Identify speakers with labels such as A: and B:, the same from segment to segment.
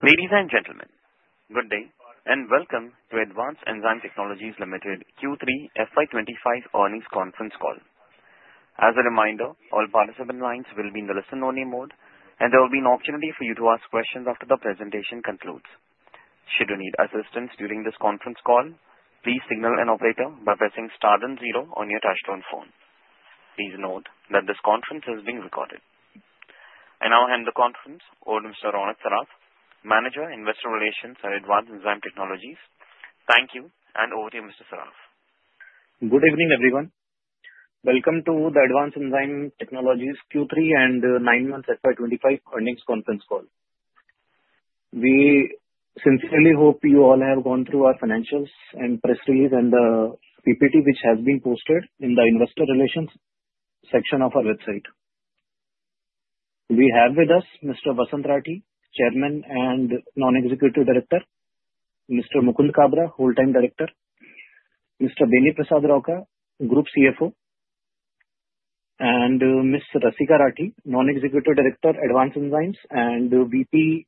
A: Ladies and gentlemen, good day and welcome to Advanced Enzyme Technologies Limited Q3 FY25 Earnings Conference Call. As a reminder, all participant lines will be in the listen-only mode, and there will be an opportunity for you to ask questions after the presentation concludes. Should you need assistance during this conference call, please signal an operator by pressing star then zero on your touch-tone phone. Please note that this conference is being recorded. I now hand the conference over to Mr. Ronak Saraf, Manager, Investor Relations at Advanced Enzyme Technologies. Thank you, and over to you, Mr. Saraf.
B: Good evening, everyone. Welcome to the Advanced Enzyme Technologies Q3 and nine months FY25 earnings conference call. We sincerely hope you all have gone through our financials and press release and the PPT which has been posted in the Investor Relations section of our website. We have with us Mr. Vasant Rathi, Chairman and Non-Executive Director, Mr. Mukund Kabra, Whole-Time Director, Mr. Beni Rauka, Group CFO, and Ms. Rasika Rathi, Non-Executive Director, Advanced Enzymes and VP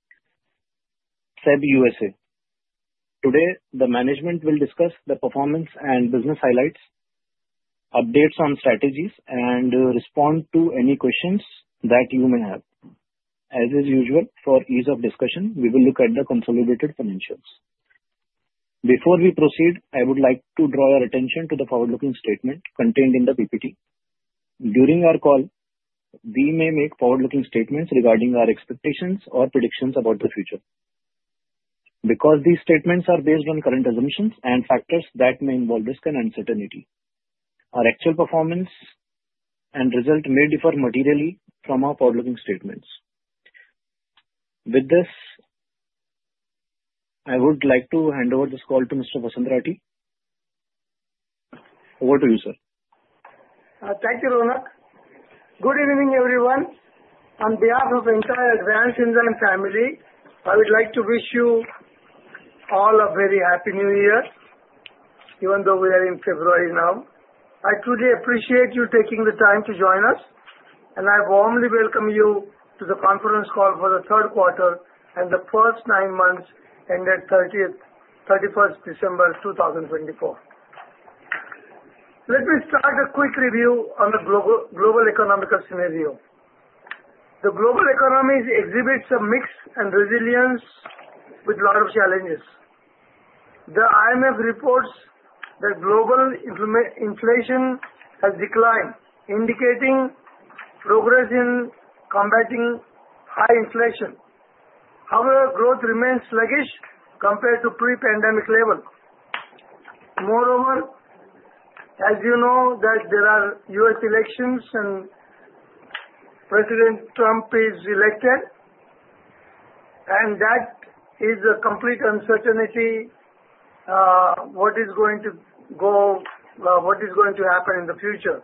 B: SEB USA. Today, the management will discuss the performance and business highlights, updates on strategies, and respond to any questions that you may have. As usual, for ease of discussion, we will look at the consolidated financials. Before we proceed, I would like to draw your attention to the forward-looking statement contained in the PPT. During our call, we may make forward-looking statements regarding our expectations or predictions about the future. Because these statements are based on current assumptions and factors that may involve risk and uncertainty, our actual performance and result may differ materially from our forward-looking statements. With this, I would like to hand over this call to Mr. Vasant Rathi. Over to you, sir.
C: Thank you, Ronak. Good evening, everyone. On behalf of the entire Advanced Enzyme family, I would like to wish you all a very happy New Year, even though we are in February now. I truly appreciate you taking the time to join us, and I warmly welcome you to the conference call for the third quarter and the first nine months ended December 31st 2024. Let me start a quick review on the global economic scenario. The global economy exhibits a mix of resilience with a lot of challenges. The IMF reports that global inflation has declined, indicating progress in combating high inflation. However, growth remains sluggish compared to pre-pandemic levels. Moreover, as you know, there are U.S. elections, and President Trump is elected, and that is a complete uncertainty what is going to happen in the future.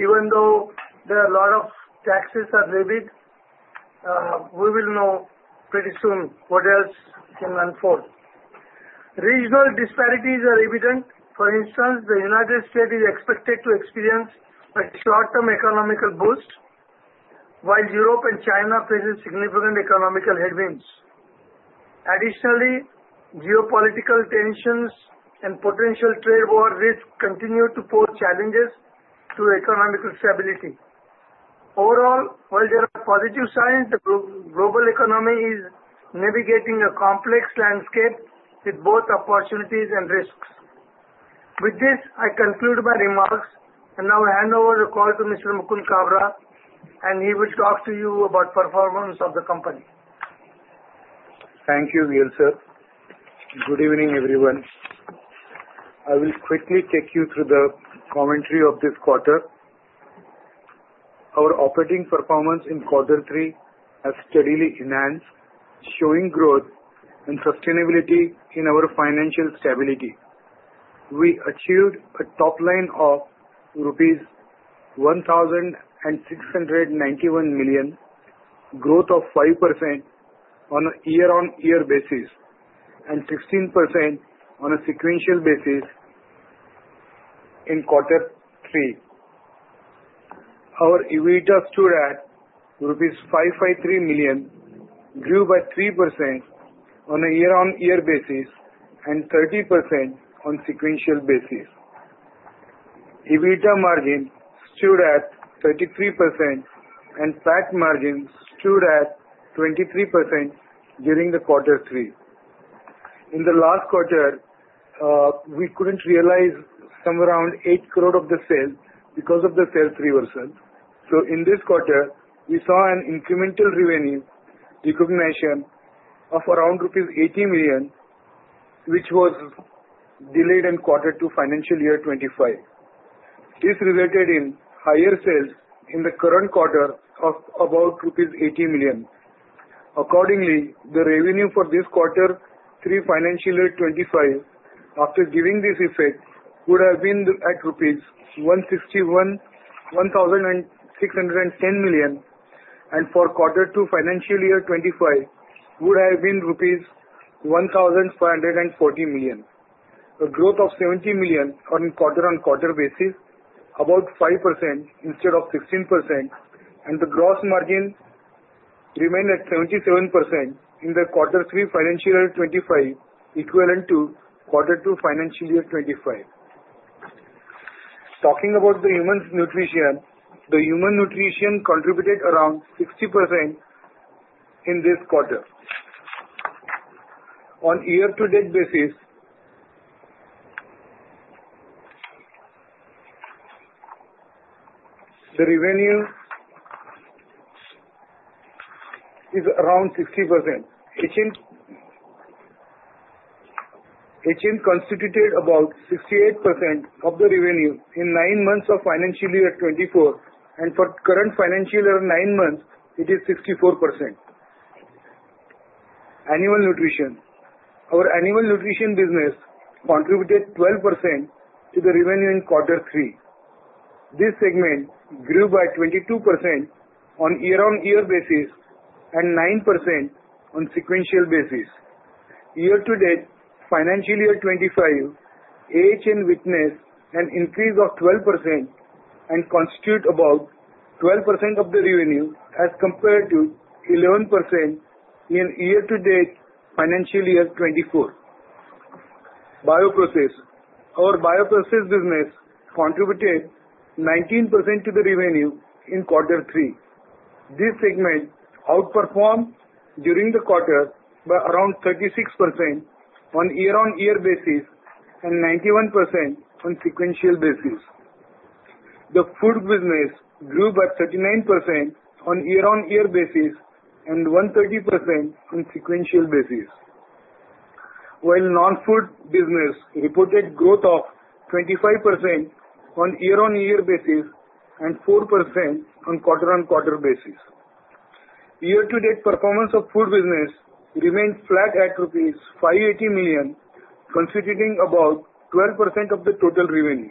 C: Even though there are a lot of taxes that are levied, we will know pretty soon what else can unfold. Regional disparities are evident. For instance, the United States is expected to experience a short-term economic boost, while Europe and China face significant economic headwinds. Additionally, geopolitical tensions and potential trade war risks continue to pose challenges to economic stability. Overall, while there are positive signs, the global economy is navigating a complex landscape with both opportunities and risks. With this, I conclude my remarks and now hand over the call to Mr. Mukund Kabra, and he will talk to you about the performance of the company.
D: Thank you, Vasant. Sir. Good evening, everyone. I will quickly take you through the commentary of this quarter. Our operating performance in quarter three has steadily enhanced, showing growth and sustainability in our financial stability. We achieved a top line of rupees 1,691 million, growth of 5% on a year-on-year basis and 16% on a sequential basis in quarter three. Our EBITDA stood at rupees 553 million, grew by 3% on a year-on-year basis and 30% on a sequential basis. EBITDA margin stood at 33%, and PAT margin stood at 23% during quarter three. In the last quarter, we couldn't realize somewhere around 80 million of the sales because of the sales reversal. So, in this quarter, we saw an incremental revenue recognition of around rupees 80 million, which was delayed in quarter two financial year 2025. This resulted in higher sales in the current quarter of about rupees 80 million. Accordingly, the revenue for this quarter three financial year 2025, after giving this effect, would have been at 1,610 million, and for quarter two financial year 2025, would have been rupees 1,540 million. A growth of 70 million on a quarter-on-quarter basis, about 5% instead of 16%, and the gross margin remained at 77% in the quarter three financial year 2025, equivalent to quarter two financial year 2025. Talking about the human nutrition, the human nutrition contributed around 60% in this quarter. On year-to-date basis, the revenue is around 60%. HN constituted about 68% of the revenue in nine months of financial year 2024, and for current financial year nine months, it is 64%. Animal nutrition. Our animal nutrition business contributed 12% to the revenue in quarter three. This segment grew by 22% on year-on-year basis and 9% on a sequential basis. Year-to-date financial year 2025, HN witnessed an increase of 12% and constituted about 12% of the revenue as compared to 11% in year-to-date financial year 2024. Bioprocess. Our bioprocess business contributed 19% to the revenue in quarter three. This segment outperformed during the quarter by around 36% on year-on-year basis and 91% on a sequential basis. The food business grew by 39% on year-on-year basis and 130% on a sequential basis, while non-food business reported growth of 25% on year-on-year basis and 4% on quarter-on-quarter basis. Year-to-date performance of food business remained flat at rupees 580 million, constituting about 12% of the total revenue.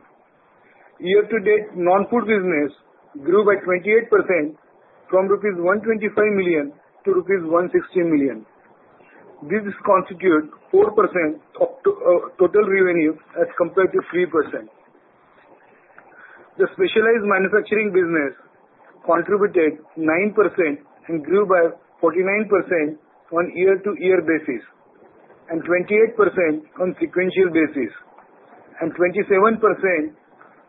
D: Year-to-date non-food business grew by 28% from rupees 125 million to rupees 160 million. This constitutes 4% of total revenue as compared to 3%. The specialized manufacturing business contributed 9% and grew by 49% on year-to-year basis and 28% on a sequential basis, and 27%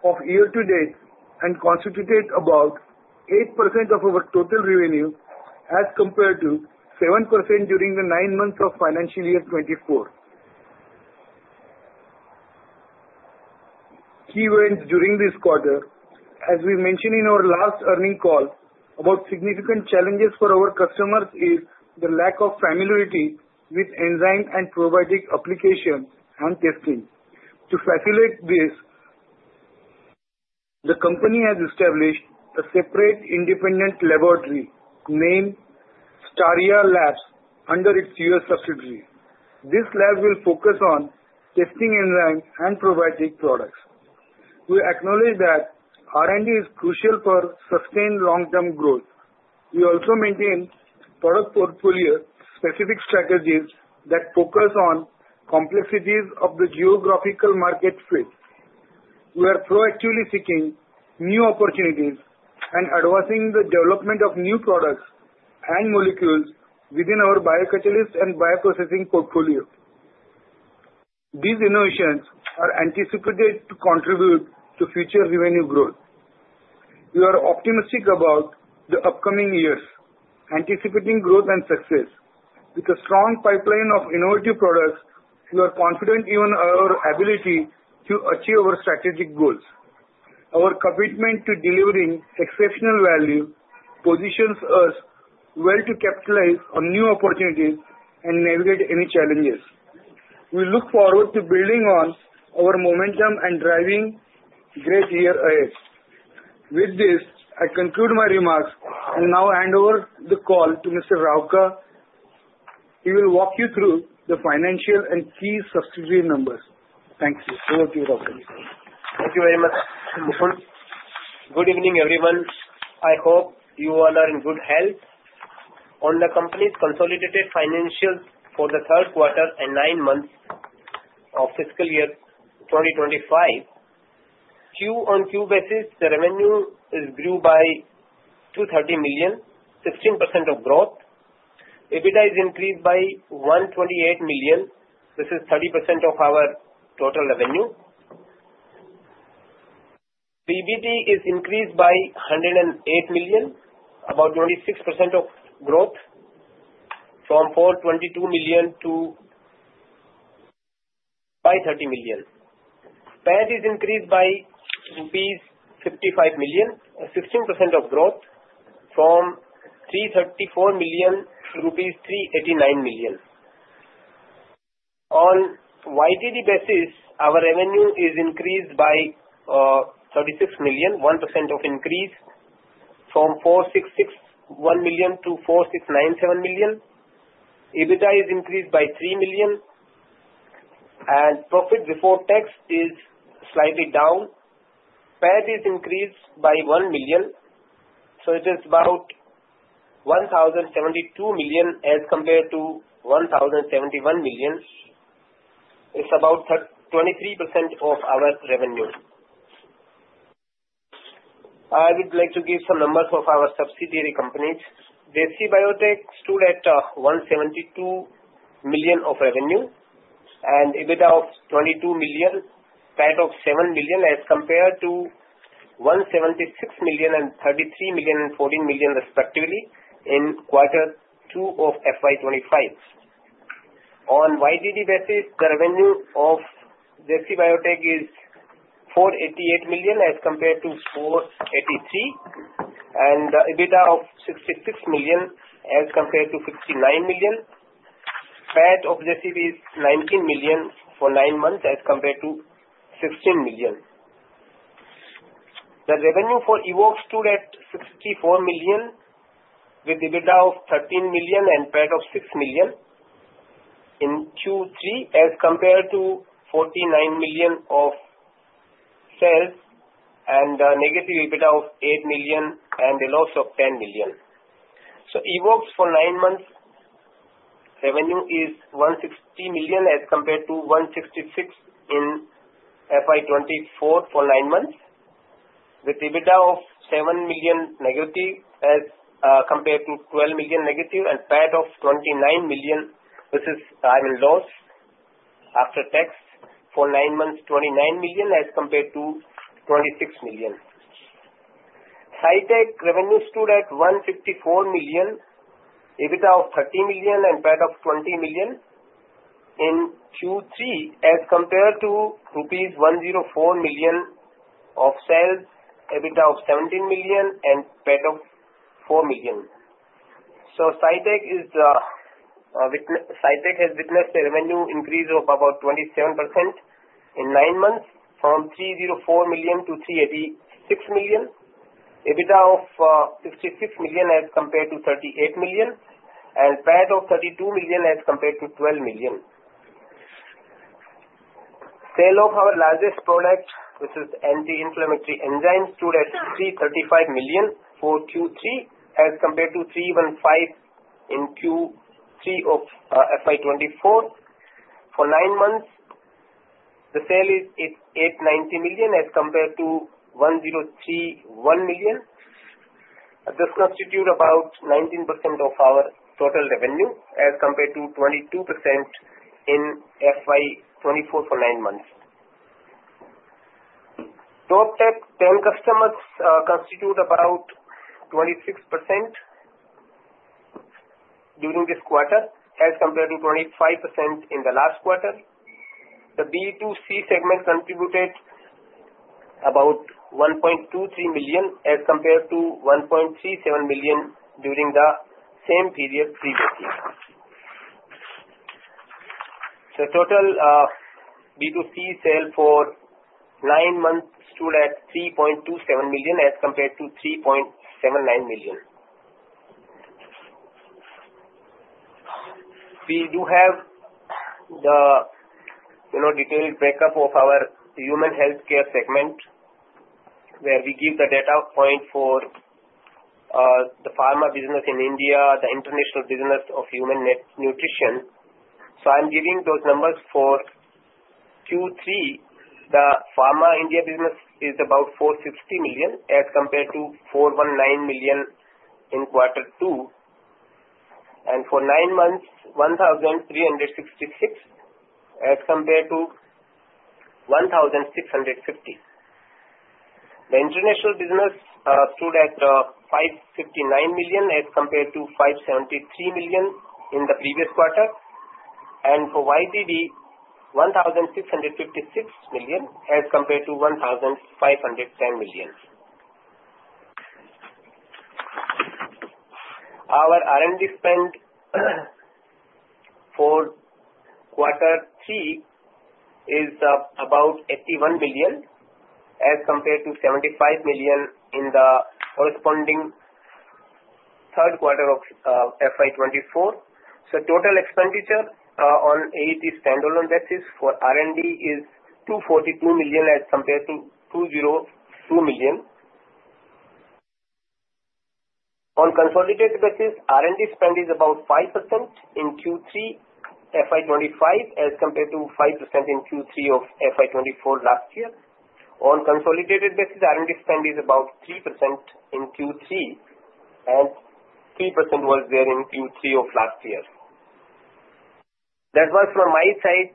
D: year-to-date and constituted about 8% of our total revenue as compared to 7% during the nine months of financial year 2024. Key events during this quarter, as we mentioned in our last earnings call, about significant challenges for our customers is the lack of familiarity with enzyme and probiotic application and testing. To facilitate this, the company has established a separate independent laboratory named Starya Labs under its U.S. subsidiary. This lab will focus on testing enzymes and probiotic products. We acknowledge that R&D is crucial for sustained long-term growth. We also maintain product portfolio-specific strategies that focus on complexities of the geographical market fit. We are proactively seeking new opportunities and advancing the development of new products and molecules within our biocatalyst and bioprocessing portfolio. These innovations are anticipated to contribute to future revenue growth. We are optimistic about the upcoming years, anticipating growth and success. With a strong pipeline of innovative products, we are confident in our ability to achieve our strategic goals. Our commitment to delivering exceptional value positions us well to capitalize on new opportunities and navigate any challenges. We look forward to building on our momentum and driving a great year ahead. With this, I conclude my remarks and now hand over the call to Mr. Rauka. He will walk you through the financial and key subsidiary numbers. Thank you. Over to you, Rauka.
E: Thank you very much, Mukund. Good evening, everyone. I hope you all are in good health. On the company's consolidated financials for the third quarter and nine months of fiscal year 2025, Q on Q basis, the revenue grew by 230 million, 16% of growth. EBITDA is increased by 128 million. This is 30% of our total revenue. PBT is increased by 108 million, about 26% of growth, from 422 million to 530 million. PAT is increased by rupees 55 million, 16% of growth, from 334 million rupees to rupees 389 million. On YTD basis, our revenue is increased by 36 million, 1% of increase, from 4,661 million to 4,697 million. EBITDA is increased by 3 million, and profit before tax is slightly down. PAT is increased by 1 million, so it is about 1,072 million as compared to 1,071 million. It's about 23% of our revenue. I would like to give some numbers of our subsidiary companies. JC Biotech stood at 172 million of revenue and EBITDA of 22 million, PAT of 7 million as compared to 176 million and 33 million and 14 million respectively in quarter two of FY 25. On YTD basis, the revenue of JC Biotech is 488 million as compared to 483, and EBITDA of 66 million as compared to 69 million. PAT of JC Biotech is 19 million for nine months as compared to 16 million. The revenue for EVOX stood at 64 million with EBITDA of 13 million and PAT of 6 million in Q3 as compared to 49 million of sales and a negative EBITDA of 8 million and a loss of 10 million. EVOX for nine months revenue is 160 million as compared to 166 million in FY 24 for nine months with EBITDA of 7 million negative as compared to 12 million negative and PAT of 29 million. This is, I mean, loss after tax for nine months, 29 million as compared to 26 million. High-tech revenue stood at 154 million, EBITDA of 30 million and PAT of 20 million in Q3 as compared to rupees 104 million of sales, EBITDA of 17 million and PAT of 4 million. Cytech has witnessed a revenue increase of about 27% in nine months from 304 million to 386 million. EBITDA of 66 million as compared to 38 million and PAT of 32 million as compared to 12 million. Sale of our largest product, which is anti-inflammatory enzymes, stood at 335 million for Q3 as compared to 315 million in Q3 of FY 24. For nine months, the sale is 890 million as compared to 1,031 million. This constitutes about 19% of our total revenue as compared to 22% in FY 24 for nine months. Top 10 customers constituted about 26% during this quarter as compared to 25% in the last quarter. The B2C segment contributed about 1.23 million as compared to 1.37 million during the same period previously. So, total B2C sale for nine months stood at 3.27 million as compared to 3.79 million. We do have the detailed breakup of our human healthcare segment where we give the data point for the pharma business in India, the international business of human nutrition. So, I'm giving those numbers for Q3. The pharma India business is about 450 million as compared to 419 million in quarter two. And for nine months, 1,366 as compared to 1,650. The international business stood at 559 million as compared to 573 million in the previous quarter. And for YTD, 1,656 million as compared to 1,510 million. Our R&D spend for quarter three is about 81 million as compared to 75 million in the corresponding third quarter of FY 2024. So, total expenditure on a standalone basis for R&D is 242 million as compared to 202 million. On consolidated basis, R&D spend is about 5% in Q3 FY 2025 as compared to 5% in Q3 of FY 2024 last year. On consolidated basis, R&D spend is about 3% in Q3, and 3% was there in Q3 of last year. That was from my side.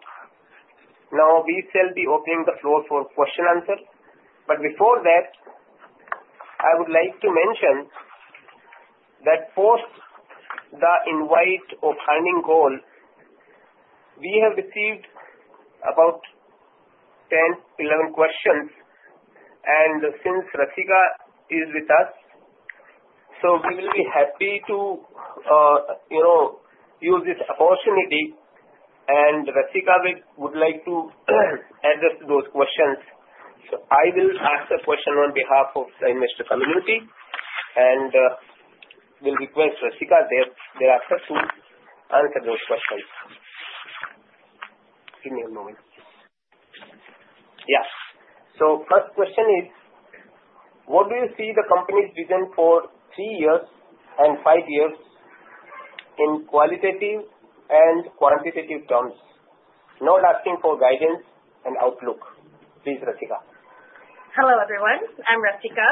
E: Now, we shall be opening the floor for question and answer. But before that, I would like to mention that post the invite of earnings call, we have received about 10, 11 questions. Since Rasika is with us, so we will be happy to use this opportunity. Rasika would like to address those questions. I will ask a question on behalf of the MSH community and will request Rasika thereafter to answer those questions. Give me a moment. Yes. First question is, what do you see the company's vision for three years and five years in qualitative and quantitative terms? Not asking for guidance and outlook. Please, Rasika.
F: Hello, everyone. I'm Rasika.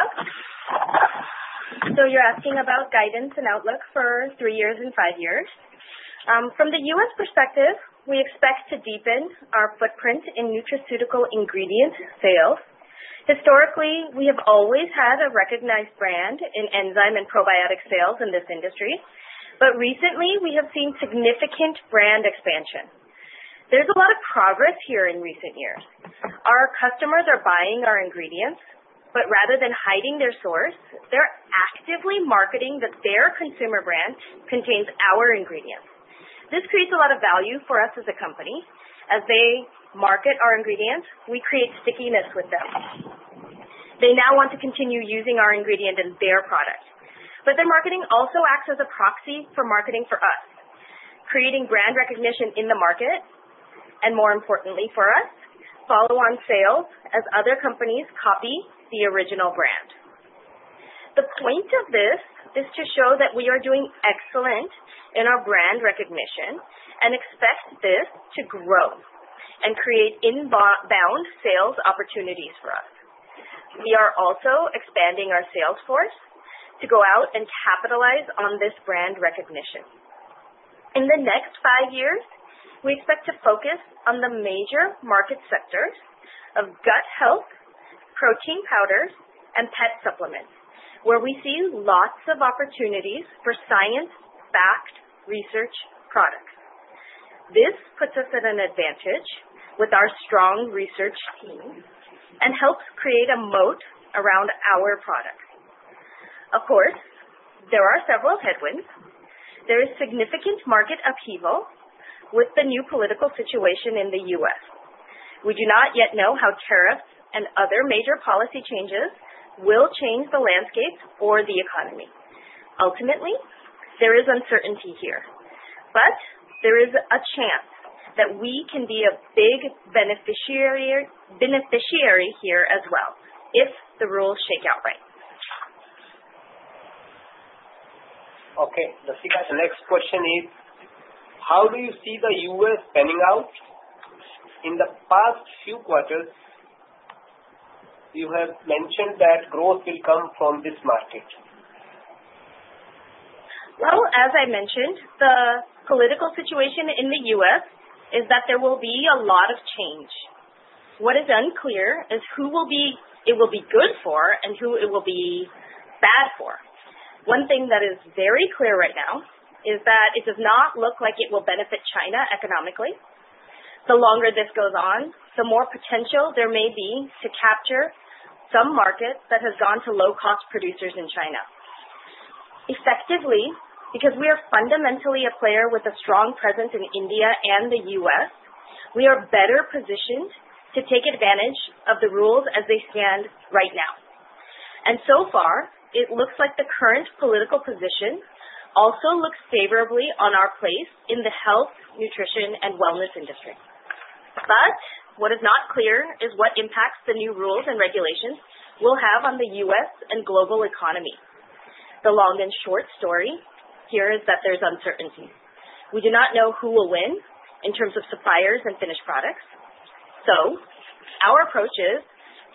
F: You're asking about guidance and outlook for three years and five years. From the U.S. perspective, we expect to deepen our footprint in nutraceutical ingredient sales. Historically, we have always had a recognized brand in enzyme and probiotic sales in this industry. But recently, we have seen significant brand expansion. There's a lot of progress here in recent years. Our customers are buying our ingredients, but rather than hiding their source, they're actively marketing that their consumer brand contains our ingredients. This creates a lot of value for us as a company. As they market our ingredients, we create stickiness with them. They now want to continue using our ingredient in their products. But their marketing also acts as a proxy for marketing for us, creating brand recognition in the market and, more importantly for us, follow-on sales as other companies copy the original brand. The point of this is to show that we are doing excellent in our brand recognition and expect this to grow and create inbound sales opportunities for us. We are also expanding our sales force to go out and capitalize on this brand recognition. In the next five years, we expect to focus on the major market sectors of gut health, protein powders, and pet supplements, where we see lots of opportunities for science-backed research products. This puts us at an advantage with our strong research team and helps create a moat around our products. Of course, there are several headwinds. There is significant market upheaval with the new political situation in the U.S. We do not yet know how tariffs and other major policy changes will change the landscape or the economy. Ultimately, there is uncertainty here. but there is a chance that we can be a big beneficiary here as well if the rules shake out right.
E: Okay. Rasika, the next question is, how do you see the U.S. panning out? In the past few quarters, you have mentioned that growth will come from this market.
F: As I mentioned, the political situation in the U.S. is that there will be a lot of change. What is unclear is who it will be good for and who it will be bad for. One thing that is very clear right now is that it does not look like it will benefit China economically. The longer this goes on, the more potential there may be to capture some market that has gone to low-cost producers in China. Effectively, because we are fundamentally a player with a strong presence in India and the U.S., we are better positioned to take advantage of the rules as they stand right now, and so far, it looks like the current political position also looks favorably on our place in the health, nutrition, and wellness industry. But what is not clear is what impacts the new rules and regulations will have on the U.S. and global economy. The long and short story here is that there's uncertainty. We do not know who will win in terms of suppliers and finished products. So, our approach is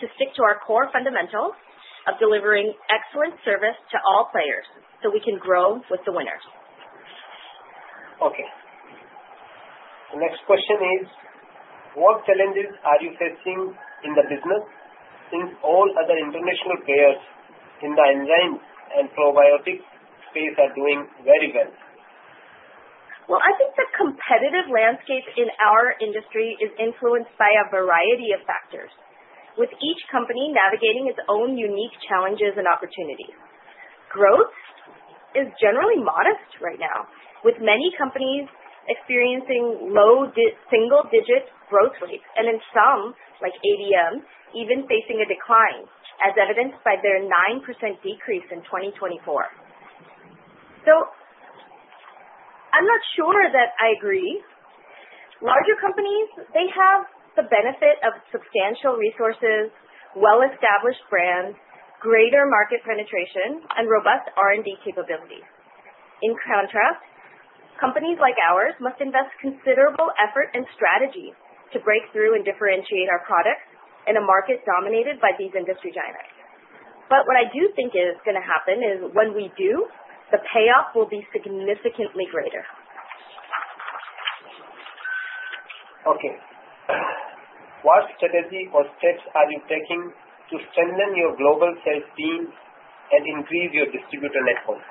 F: to stick to our core fundamentals of delivering excellent service to all players so we can grow with the winners.
E: Okay. The next question is, What challenges are you facing in the business since all other international players in the enzyme and probiotic space are doing very well?
F: I think the competitive landscape in our industry is influenced by a variety of factors, with each company navigating its own unique challenges and opportunities. Growth is generally modest right now, with many companies experiencing low single-digit growth rates, in some like ADM even facing a decline, as evidenced by their 9% decrease in 2024. I'm not sure that I agree. Larger companies, they have the benefit of substantial resources, well-established brands, greater market penetration, and robust R&D capabilities. In contrast, companies like ours must invest considerable effort and strategy to break through and differentiate our products in a market dominated by these industry giants. What I do think is going to happen is when we do, the payoff will be significantly greater.
E: Okay. What strategy or steps are you taking to strengthen your global sales team and increase your distributor network?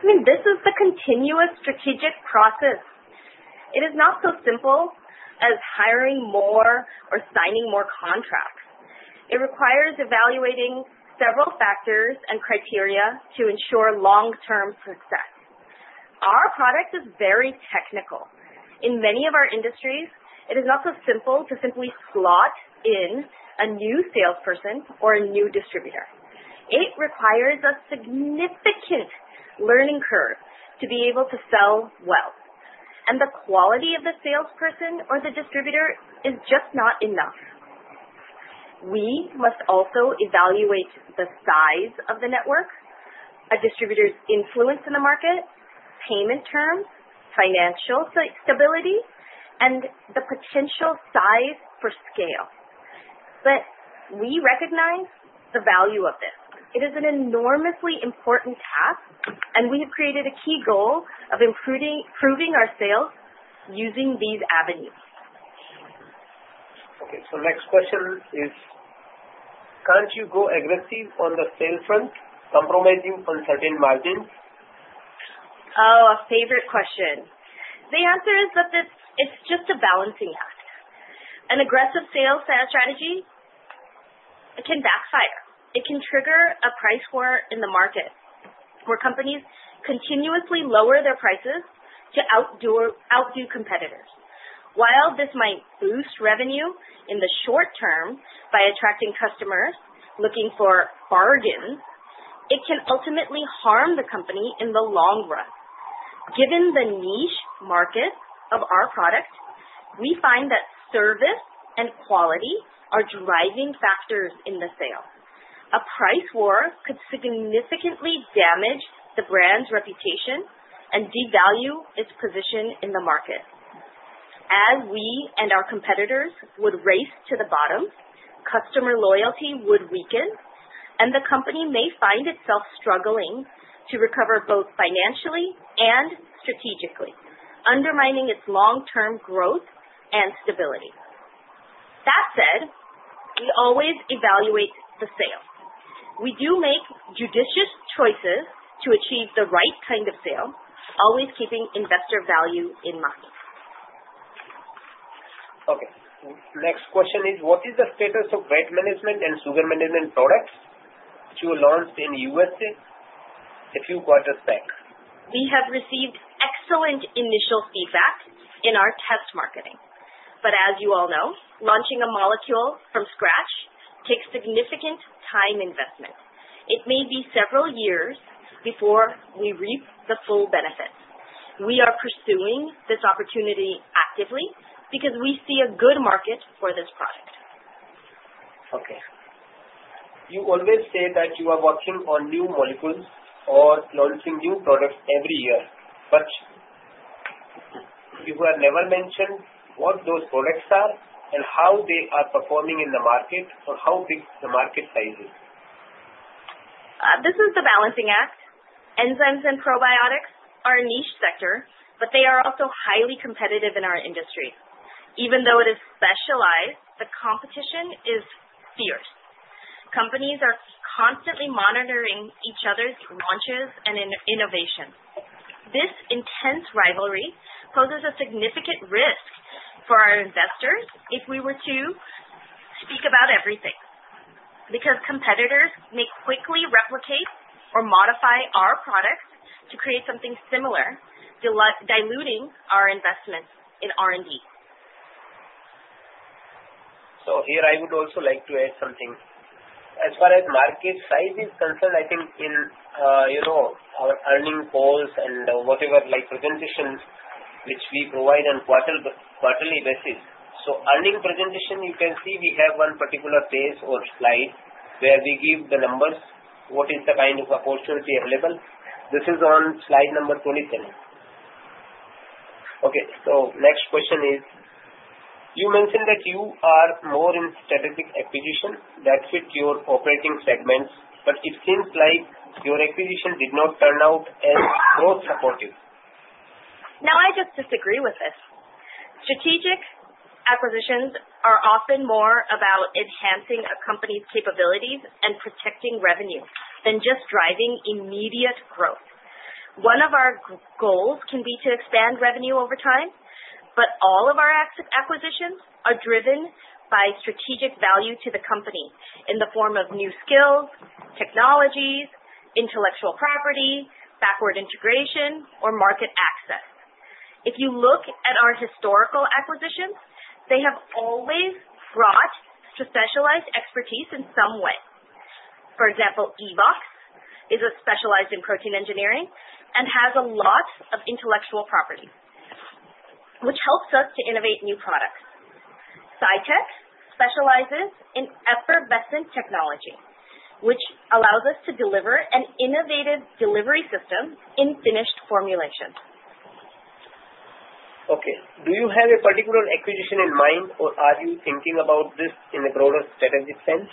F: I mean, this is the continuous strategic process. It is not so simple as hiring more or signing more contracts. It requires evaluating several factors and criteria to ensure long-term success. Our product is very technical. In many of our industries, it is not so simple to simply slot in a new salesperson or a new distributor. It requires a significant learning curve to be able to sell well. And the quality of the salesperson or the distributor is just not enough. We must also evaluate the size of the network, a distributor's influence in the market, payment terms, financial stability, and the potential size for scale. But we recognize the value of this. It is an enormously important task, and we have created a key goal of improving our sales using these avenues.
E: Okay. So, the next question is, can't you go aggressive on the sales front, compromising on certain margins?
F: Oh, a favorite question. The answer is that it's just a balancing act. An aggressive sales strategy, it can backfire. It can trigger a price war in the market where companies continuously lower their prices to outdo competitors. While this might boost revenue in the short term by attracting customers looking for bargains, it can ultimately harm the company in the long run. Given the niche market of our product, we find that service and quality are driving factors in the sale. A price war could significantly damage the brand's reputation and devalue its position in the market. As we and our competitors would race to the bottom, customer loyalty would weaken, and the company may find itself struggling to recover both financially and strategically, undermining its long-term growth and stability. That said, we always evaluate the sale. We do make judicious choices to achieve the right kind of sale, always keeping investor value in mind.
E: Okay. Next question is, what is the status of bread management and sugar management products which were launched in the U.S. a few quarters back?
F: We have received excellent initial feedback in our test marketing. But as you all know, launching a molecule from scratch takes significant time investment. It may be several years before we reap the full benefits. We are pursuing this opportunity actively because we see a good market for this product.
E: Okay. You always say that you are working on new molecules or launching new products every year. But you have never mentioned what those products are and how they are performing in the market or how big the market size is?
F: This is the balancing act. Enzymes and probiotics are a niche sector, but they are also highly competitive in our industry. Even though it is specialized, the competition is fierce. Companies are constantly monitoring each other's launches and innovation. This intense rivalry poses a significant risk for our investors if we were to speak about everything. Because competitors may quickly replicate or modify our product to create something similar, diluting our investment in R&D.
E: So here, I would also like to add something. As far as market size is concerned, I think in our earnings calls and whatever presentations which we provide on quarterly basis. So earnings presentation, you can see we have one particular page or slide where we give the numbers, what is the kind of opportunity available. This is on slide number 27. Okay. So next question is, you mentioned that you are more in strategic acquisition that fit your operating segments, but it seems like your acquisition did not turn out as growth supportive.
F: Now, I just disagree with this. Strategic acquisitions are often more about enhancing a company's capabilities and protecting revenue than just driving immediate growth. One of our goals can be to expand revenue over time, but all of our acquisitions are driven by strategic value to the company in the form of new skills, technologies, intellectual property, backward integration, or market access. If you look at our historical acquisitions, they have always brought specialized expertise in some way. For example, Evoxx is specialized in protein engineering and has a lot of intellectual property, which helps us to innovate new products. SciTech specializes in effervescent technology, which allows us to deliver an innovative delivery system in finished formulation.
E: Okay. Do you have a particular acquisition in mind, or are you thinking about this in a broader strategic sense?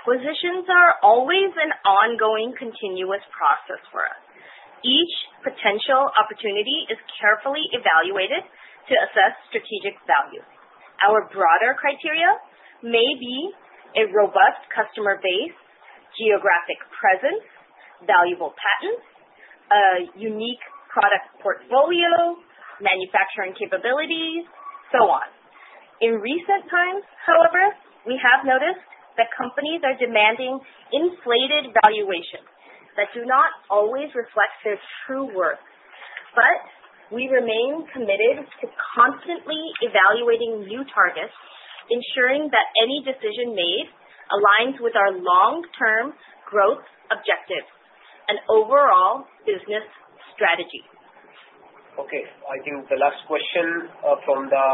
F: Acquisitions are always an ongoing continuous process for us. Each potential opportunity is carefully evaluated to assess strategic value. Our broader criteria may be a robust customer base, geographic presence, valuable patents, a unique product portfolio, manufacturing capabilities, so on. In recent times, however, we have noticed that companies are demanding inflated valuations that do not always reflect their true worth. But we remain committed to constantly evaluating new targets, ensuring that any decision made aligns with our long-term growth objectives and overall business strategy.
E: Okay. I think the last question from the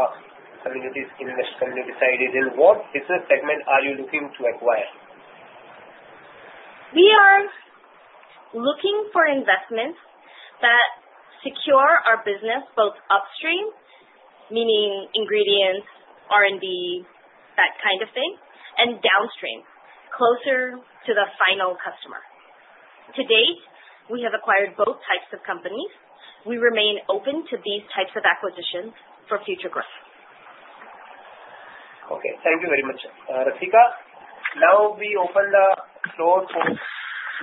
E: community in West Kenyan side is, in what business segment are you looking to acquire?
F: We are looking for investments that secure our business both upstream, meaning ingredients, R&D, that kind of thing, and downstream, closer to the final customer. To date, we have acquired both types of companies. We remain open to these types of acquisitions for future growth.
E: Okay. Thank you very much, Rasika. Now, we open the floor for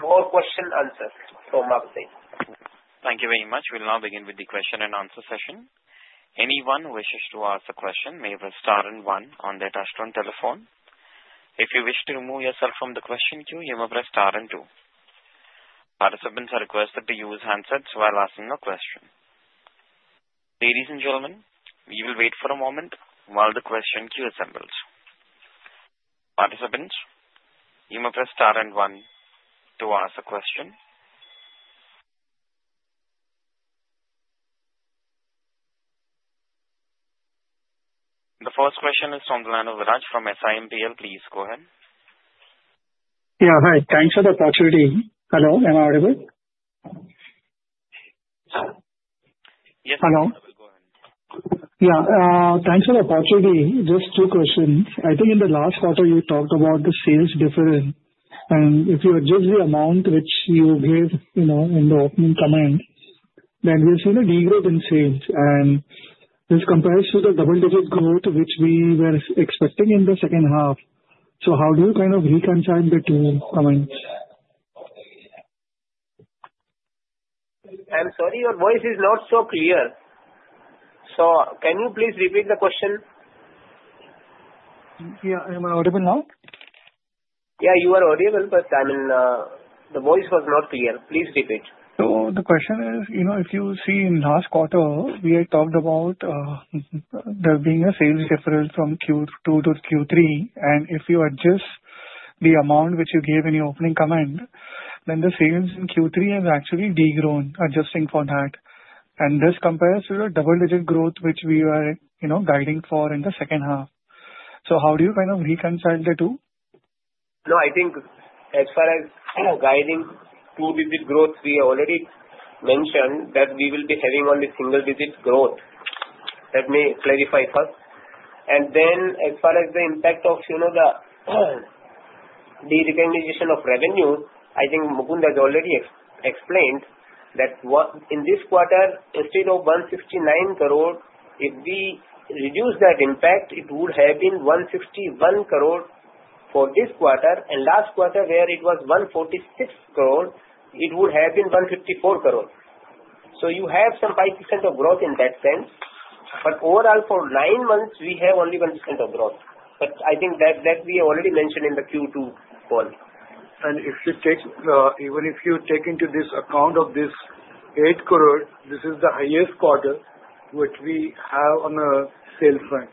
E: more question and answers from our side.
A: Thank you very much. We'll now begin with the question and answer session. Anyone who wishes to ask a question may press star and one on their touch-tone telephone. If you wish to remove yourself from the question queue, you may press star and two. Participants are requested to use handsets while asking a question. Ladies and gentlemen, we will wait for a moment while the question queue assembles. Participants, you may press star and one to ask a question. The first question is from the line of Viraj from SiMPL. Please go ahead.
G: Yeah. Hi. Thanks for the opportunity. Hello. Am I audible?
E: Yes.
G: Hello. Yeah. Thanks for the opportunity. Just two questions. I think in the last quarter, you talked about the sales difference. And if you adjust the amount which you gave in the opening comment, then we've seen a decline in sales. And this compares to the double-digit growth which we were expecting in the second half. So how do you kind of reconcile the two comments?
E: I'm sorry. Your voice is not so clear. So can you please repeat the question?
G: Yeah. Am I audible now?
E: Yeah. You are audible, but the voice was not clear. Please repeat.
G: So the question is, if you see in last quarter, we had talked about there being a sales difference from Q2 to Q3. And if you adjust the amount which you gave in the opening comment, then the sales in Q3 have actually degrown adjusting for that. And this compares to the double-digit growth which we are guiding for in the second half. So how do you kind of reconcile the two?
E: No. I think as far as guiding two-digit growth, we already mentioned that we will be having only single-digit growth. Let me clarify first. And then as far as the impact of the recognition of revenue, I think Mukund has already explained that in this quarter, instead of 169 crore, if we reduce that impact, it would have been 161 crore for this quarter. And last quarter, where it was 146 crore, it would have been 154 crore. So you have some 5% of growth in that sense. But overall, for nine months, we have only 1% of growth. But I think that we already mentioned in the Q2 call.
H: If you take into account this 8 crore, this is the highest quarter which we have on the sales front.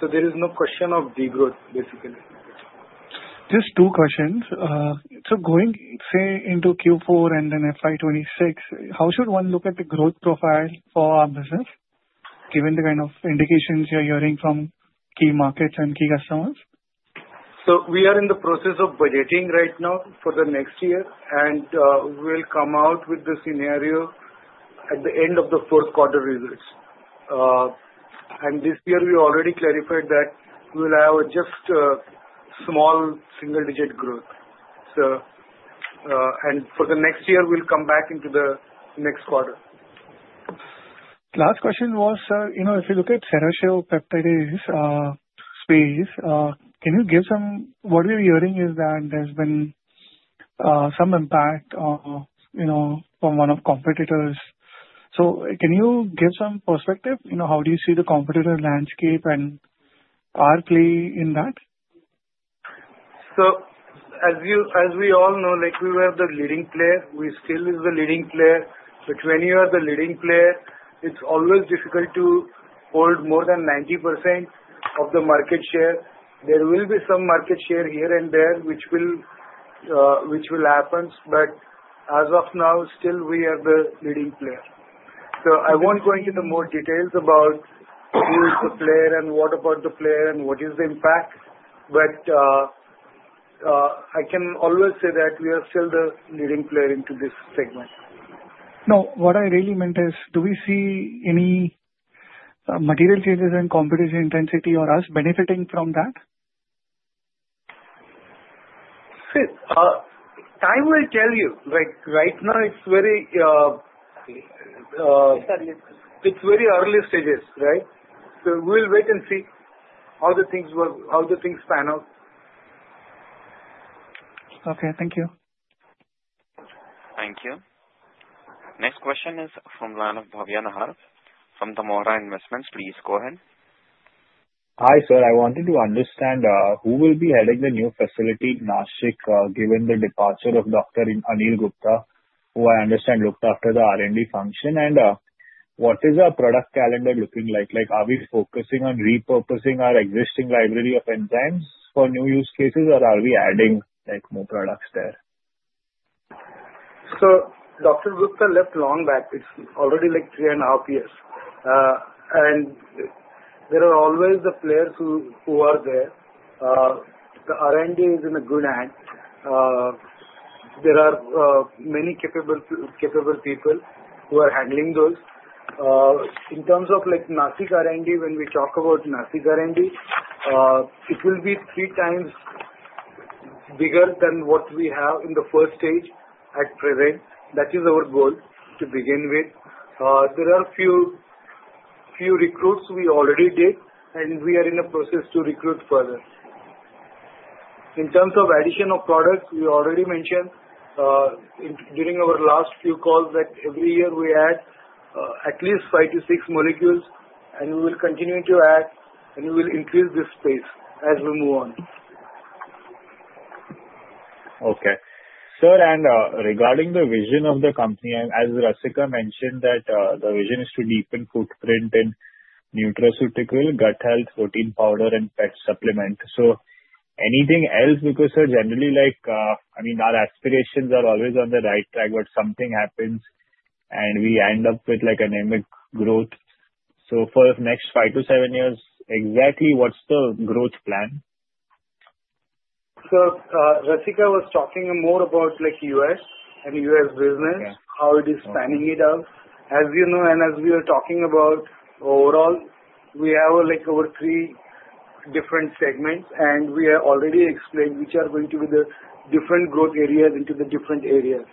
H: So there is no question of degrowth, basically.
G: Just two questions. So going, say, into Q4 and then FY26, how should one look at the growth profile for our business, given the kind of indications you're hearing from key markets and key customers?
H: So we are in the process of budgeting right now for the next year, and we'll come out with the scenario at the end of the fourth quarter results. And this year, we already clarified that we'll have just small single-digit growth. And for the next year, we'll come back into the next quarter.
G: Last question was, if you look at Serratiopeptidase space, can you give some what we're hearing is that there's been some impact from one of the competitors. So can you give some perspective? How do you see the competitor landscape and our play in that?
H: So as we all know, we were the leading player. We still are the leading player. But when you are the leading player, it's always difficult to hold more than 90% of the market share. There will be some market share here and there which will happen. But as of now, still, we are the leading player. So I won't go into the more details about who is the player and what about the player and what is the impact. But I can always say that we are still the leading player into this segment.
G: Now, what I really meant is, do we see any material changes in competition intensity or us benefiting from that?
H: Time will tell you. Right now, it's very early stages, right? So we'll wait and see how the things pan out.
G: Okay. Thank you.
A: Thank you. Next question is from Dlano Daugavianahar. From the Mora Investments, please go ahead.
I: Hi, sir. I wanted to understand who will be heading the new facility at Nashik, given the departure of Dr. Anil Gupta, who I understand looked after the R&D function. And what is our product calendar looking like? Are we focusing on repurposing our existing library of enzymes for new use cases, or are we adding more products there? So Dr. Gupta left long back. It's already like three and a half years. And there are always the players who are there. The R&D is in good hands. There are many capable people who are handling those. In terms of Nashik R&D, when we talk about Nashik R&D, it will be three times bigger than what we have in the first stage at present. That is our goal to begin with. There are a few recruits we already did, and we are in the process to recruit further. In terms of addition of products, we already mentioned during our last few calls that every year we add at least five to six molecules, and we will continue to add, and we will increase this space as we move on.
E: Okay. Sir, and regarding the vision of the company, as Rasika mentioned, that the vision is to deepen footprint in nutraceutical, gut health, protein powder, and PET supplement. So anything else because, sir, generally, I mean, our aspirations are always on the right track, but something happens, and we end up with anemic growth. So for the next five to seven years, exactly what's the growth plan?
I: So Rasika was talking more about U.S. and U.S. business, how it is spanning it out. As you know and as we were talking about, overall, we have over three different segments, and we have already explained which are going to be the different growth areas into the different areas.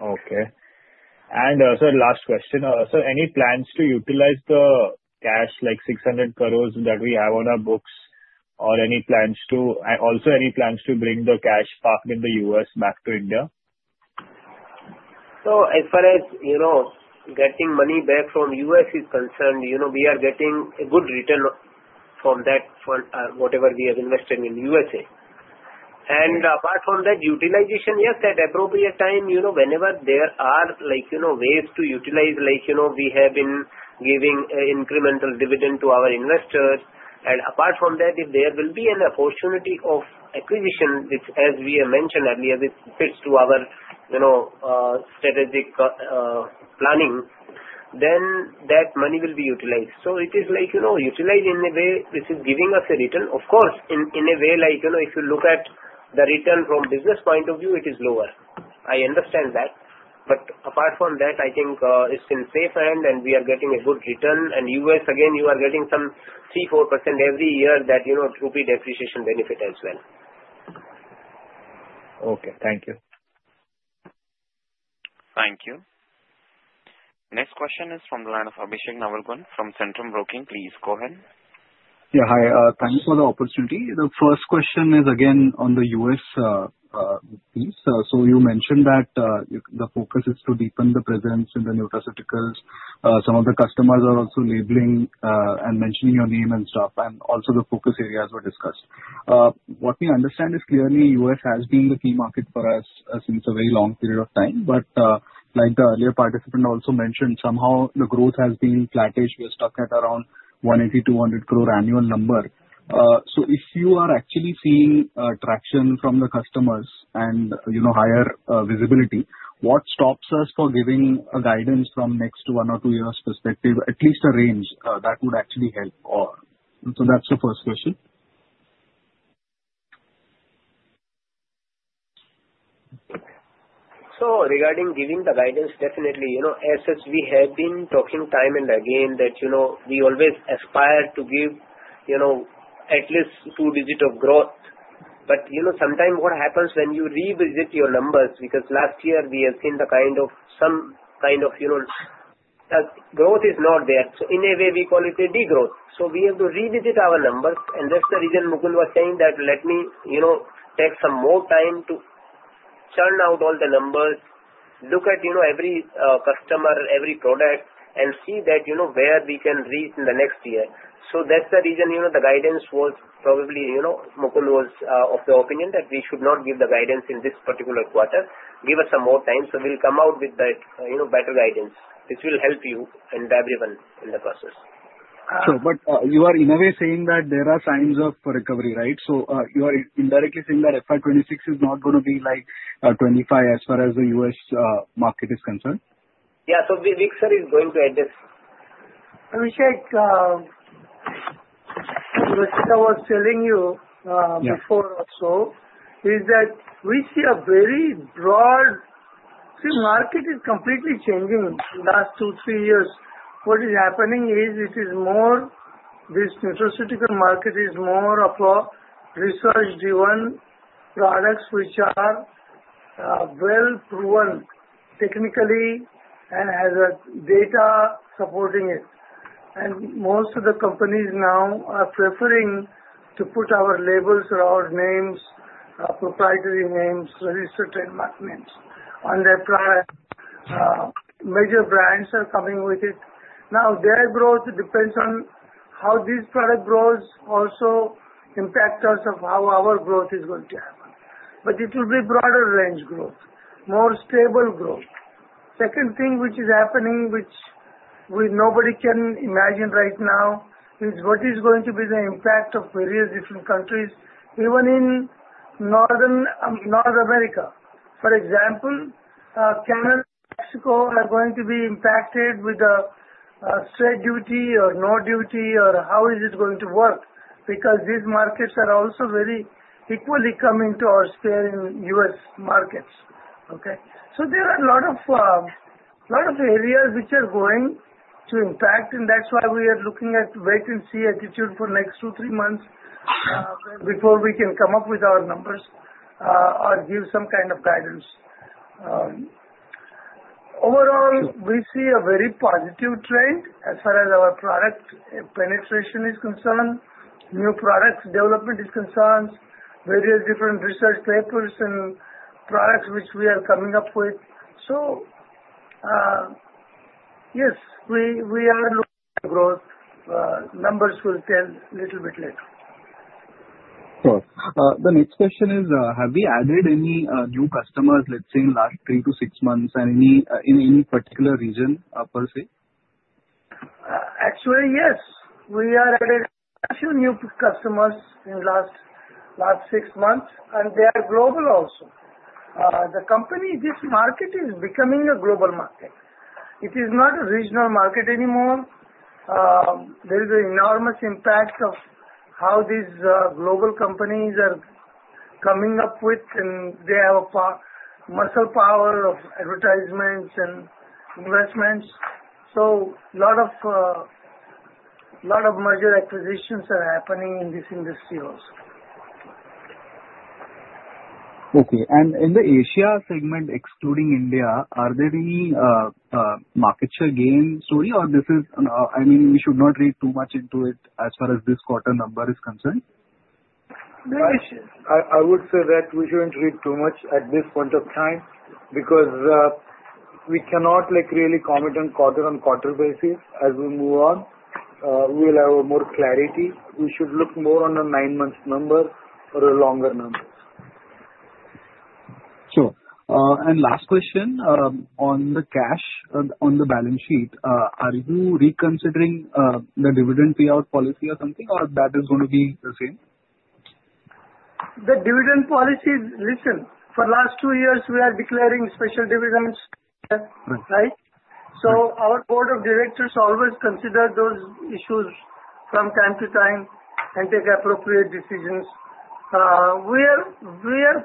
E: Okay, and sir, last question. Sir, any plans to utilize the cash, like 600 crores that we have on our books, or also any plans to bring the cash parked in the U.S. back to India?
J: As far as getting money back from the U.S. is concerned, we are getting a good return from whatever we have invested in the U.S.A. And apart from that utilization, yes, at appropriate time, whenever there are ways to utilize, we have been giving incremental dividend to our investors. And apart from that, if there will be an opportunity of acquisition, as we have mentioned earlier, which fits to our strategic planning, then that money will be utilized. So it is utilized in a way which is giving us a return. Of course, in a way, if you look at the return from a business point of view, it is lower. I understand that. But apart from that, I think it's in safe hands, and we are getting a good return. And the U.S., again, you are getting some 3%-4% every year that you know through depreciation benefit as well.
E: Okay. Thank you.
A: Thank you. The line of Abhishek Navalgund from Centrum Broking. Please go ahead.
K: Yeah. Hi. Thanks for the opportunity. The first question is again on the U.S. piece. So you mentioned that the focus is to deepen the presence in the nutraceuticals. Some of the customers are also labeling and mentioning your name and stuff. And also the focus areas were discussed. What we understand is clearly U.S. has been the key market for us since a very long period of time. But like the earlier participant also mentioned, somehow the growth has been flatish. We are stuck at around 180-200 crore annual number. So if you are actually seeing traction from the customers and higher visibility, what stops us from giving guidance from next one or two years' perspective, at least a range that would actually help? So that's the first question.
E: Regarding giving the guidance, definitely, as we have been talking time and again that we always aspire to give at least two digits of growth. But sometimes what happens when you revisit your numbers because last year, we have seen some kind of growth is not there. So in a way, we call it a degrowth. So we have to revisit our numbers. And that's the reason Mukund was saying that let me take some more time to churn out all the numbers, look at every customer, every product, and see where we can reach in the next year. So that's the reason the guidance was probably Mukund was of the opinion that we should not give the guidance in this particular quarter. Give us some more time so we'll come out with better guidance. This will help you and everyone in the process. Sure. But you are in a way saying that there are signs of recovery, right? So you are indirectly saying that FY26 is not going to be like FY25 as far as the U.S. market is concerned?
J: Yeah. So, Vasant is going to address.
C: Abhishek, what I was telling you before also is that we see a very broad market is completely changing in the last two, three years. What is happening is this nutraceutical market is more of a research-driven products which are well-proven technically and has data supporting it. And most of the companies now are preferring to put our labels or our names, proprietary names, registered trademark names on their products. Major brands are coming with it. Now, their growth depends on how this product grows also impacts us of how our growth is going to happen. But it will be broader range growth, more stable growth. Second thing which is happening, which nobody can imagine right now, is what is going to be the impact of various different countries, even in North America. For example, Canada and Mexico are going to be impacted with a straight duty or no duty, or how is it going to work? Because these markets are also very equally coming to our share in U.S. markets. Okay? So there are a lot of areas which are going to impact, and that's why we are looking at wait-and-see attitude for the next two, three months before we can come up with our numbers or give some kind of guidance. Overall, we see a very positive trend as far as our product penetration is concerned, new product development is concerned, various different research papers and products which we are coming up with. So yes, we are looking at growth. Numbers will tell a little bit later.
E: Sure. The next question is, have we added any new customers, let's say, in the last three to six months and in any particular region per se?
C: Actually, yes. We are adding a few new customers in the last six months, and they are global also. The company market is becoming a global market. It is not a regional market anymore. There is an enormous impact of how these global companies are coming up with, and they have a muscle power of advertisements and investments. So a lot of major acquisitions are happening in this industry also.
E: Okay. And in the Asia segment, excluding India, are there any market share gain story, or I mean, we should not read too much into it as far as this quarter number is concerned?
C: I would say that we shouldn't read too much at this point of time because we cannot really comment on quarter-on-quarter basis as we move on. We'll have more clarity. We should look more on the nine-month number or a longer number.
E: Sure. And last question on the cash on the balance sheet, are you reconsidering the dividend payout policy or something, or that is going to be the same?
C: The dividend policy, listen, for the last two years, we are declaring special dividends, right? So our board of directors always consider those issues from time to time and take appropriate decisions. We are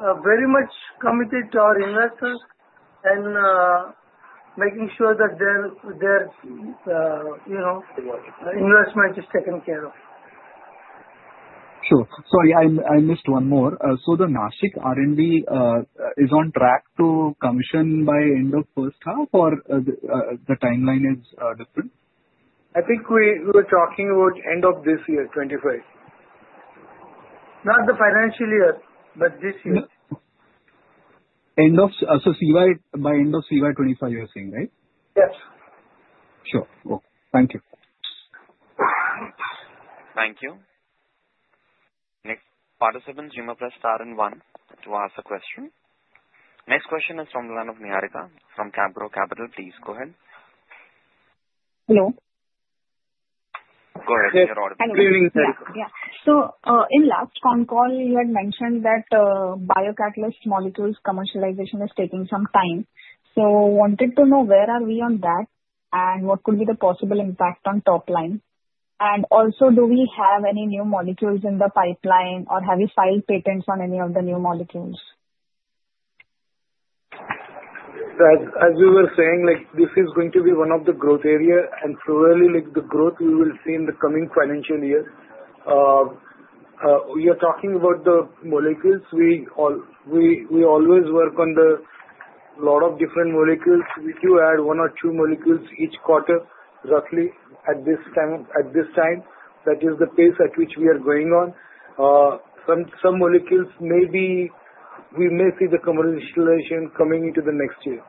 C: very much committed to our investors and making sure that their investment is taken care of.
A: Sure. Sorry, I missed one more. So the Nashik R&D is on track to commission by end of first half, or the timeline is different?
C: I think we were talking about end of this year, 2025. Not the financial year, but this year.
E: So by end of CY25, you're saying, right?
A: Yes.
E: Sure. Okay. Thank you.
A: Thank you. Next participant, Juma Prasthar, in one to ask a question. Next question is from Niharika from CapGrow Capital. Please go ahead.
L: Hello.
A: Go ahead. You're audible.
L: Good evening, sir. Yeah. So in the last phone call, you had mentioned that biocatalyst molecules commercialization is taking some time. So I wanted to know where are we on that and what could be the possible impact on top line. And also, do we have any new molecules in the pipeline, or have you filed patents on any of the new molecules?
J: As we were saying, this is going to be one of the growth areas, and surely the growth we will see in the coming financial year. We are talking about the molecules. We always work on a lot of different molecules. We do add one or two molecules each quarter, roughly at this time. That is the pace at which we are going on. Some molecules maybe we may see the commercialization coming into the next year.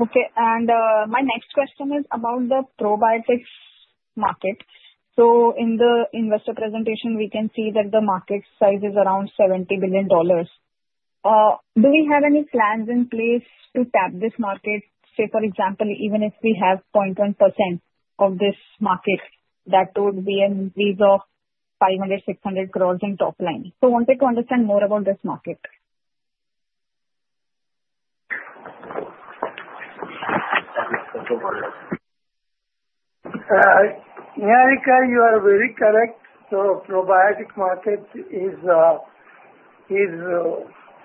L: Okay. And my next question is about the probiotics market. So in the investor presentation, we can see that the market size is around $70 billion. Do we have any plans in place to tap this market? Say, for example, even if we have 0.1% of this market, that would be 500-600 crores in top line. So I wanted to understand more about this market.
J: Niharika, you are very correct, so the probiotic market is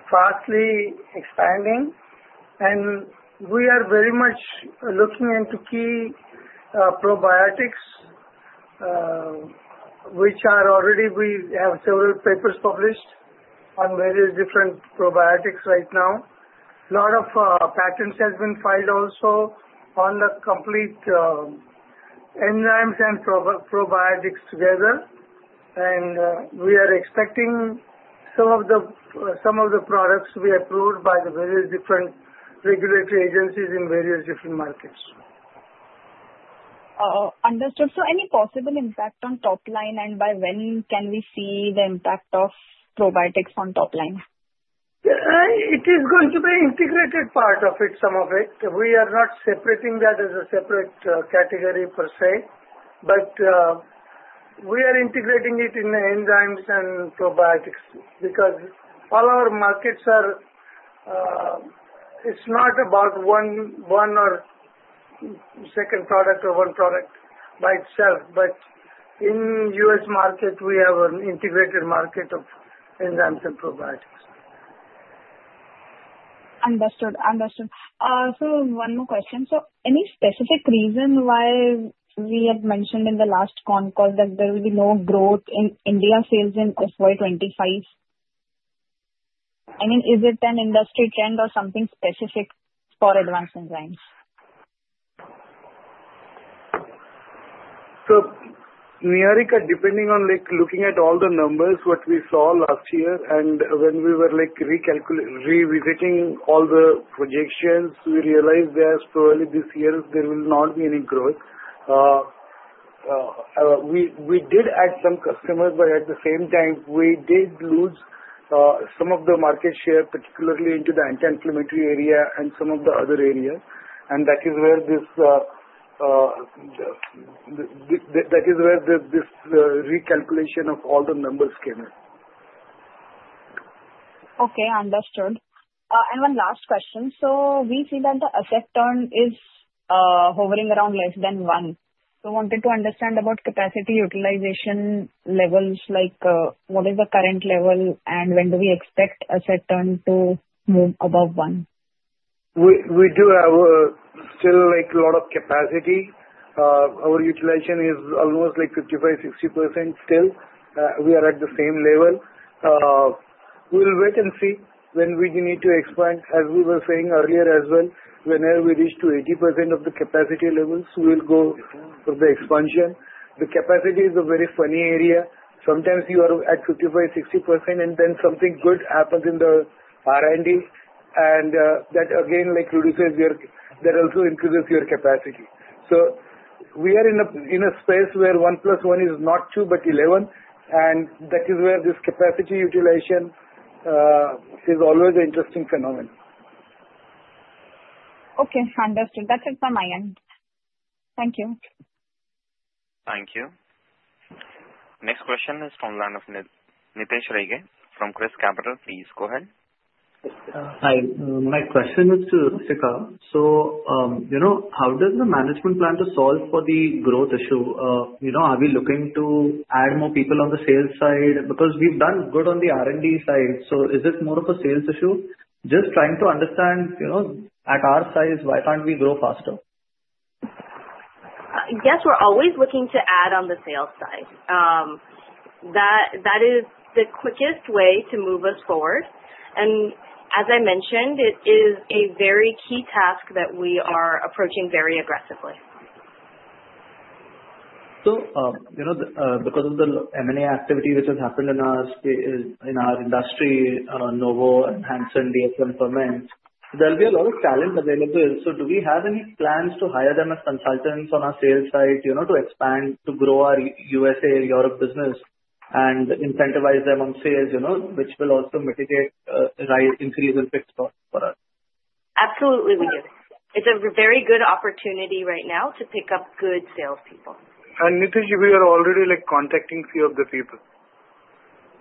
J: fast expanding, and we are very much looking into key probiotics, which are already we have several papers published on various different probiotics right now. A lot of patents have been filed also on the complete enzymes and probiotics together, and we are expecting some of the products to be approved by the various different regulatory agencies in various different markets.
L: Understood. So any possible impact on top line, and by when can we see the impact of probiotics on top line?
J: It is going to be an integrated part of it, some of it. We are not separating that as a separate category per se, but we are integrating it in the enzymes and probiotics because all our markets are. It's not about one or second product or one product by itself, but in the U.S. market, we have an integrated market of enzymes and probiotics.
L: Understood. Understood. So one more question. So any specific reason why we had mentioned in the last phone call that there will be no growth in India sales in FY25? I mean, is it an industry trend or something specific for Advanced Enzymes?
J: Niharika, depending on looking at all the numbers, what we saw last year, and when we were revisiting all the projections, we realized that surely this year there will not be any growth. We did add some customers, but at the same time, we did lose some of the market share, particularly into the anti-inflammatory area and some of the other areas. And that is where this recalculation of all the numbers came in.
L: Okay. Understood. And one last question. So we see that the utilization is hovering around less than one. So I wanted to understand about capacity utilization levels, like what is the current level, and when do we expect the utilization to move above one?
J: We do have still a lot of capacity. Our utilization is almost like 55%-60% still. We are at the same level. We'll wait and see when we need to expand. As we were saying earlier as well, whenever we reach to 80% of the capacity levels, we'll go for the expansion. The capacity is a very funny area. Sometimes you are at 55%-60%, and then something good happens in the R&D. And that, again, that also increases your capacity. So we are in a space where one plus one is not two, but 11. And that is where this capacity utilization is always an interesting phenomenon.
L: Okay. Understood. That's it from my end. Thank you.
A: Thank you. Next question is from the line of Nitish Rege from ChrysCapital. Please go ahead.
M: Hi. My question is to Rasika. So how does the management plan to solve for the growth issue? Are we looking to add more people on the sales side? Because we've done good on the R&D side. So is this more of a sales issue? Just trying to understand at our size, why can't we grow faster?
F: Yes. We're always looking to add on the sales side. That is the quickest way to move us forward. And as I mentioned, it is a very key task that we are approaching very aggressively.
M: So because of the M&A activity which has happened in our industry, Novo and Hanson, DSM-Firmenich, there'll be a lot of talent available. So do we have any plans to hire them as consultants on our sales side to expand, to grow our U.S.A and Europe business and incentivize them on sales, which will also mitigate increase in fixed costs for us?
K: Absolutely, we do. It's a very good opportunity right now to pick up good salespeople.
J: And Nitish, we are already contacting a few of the people.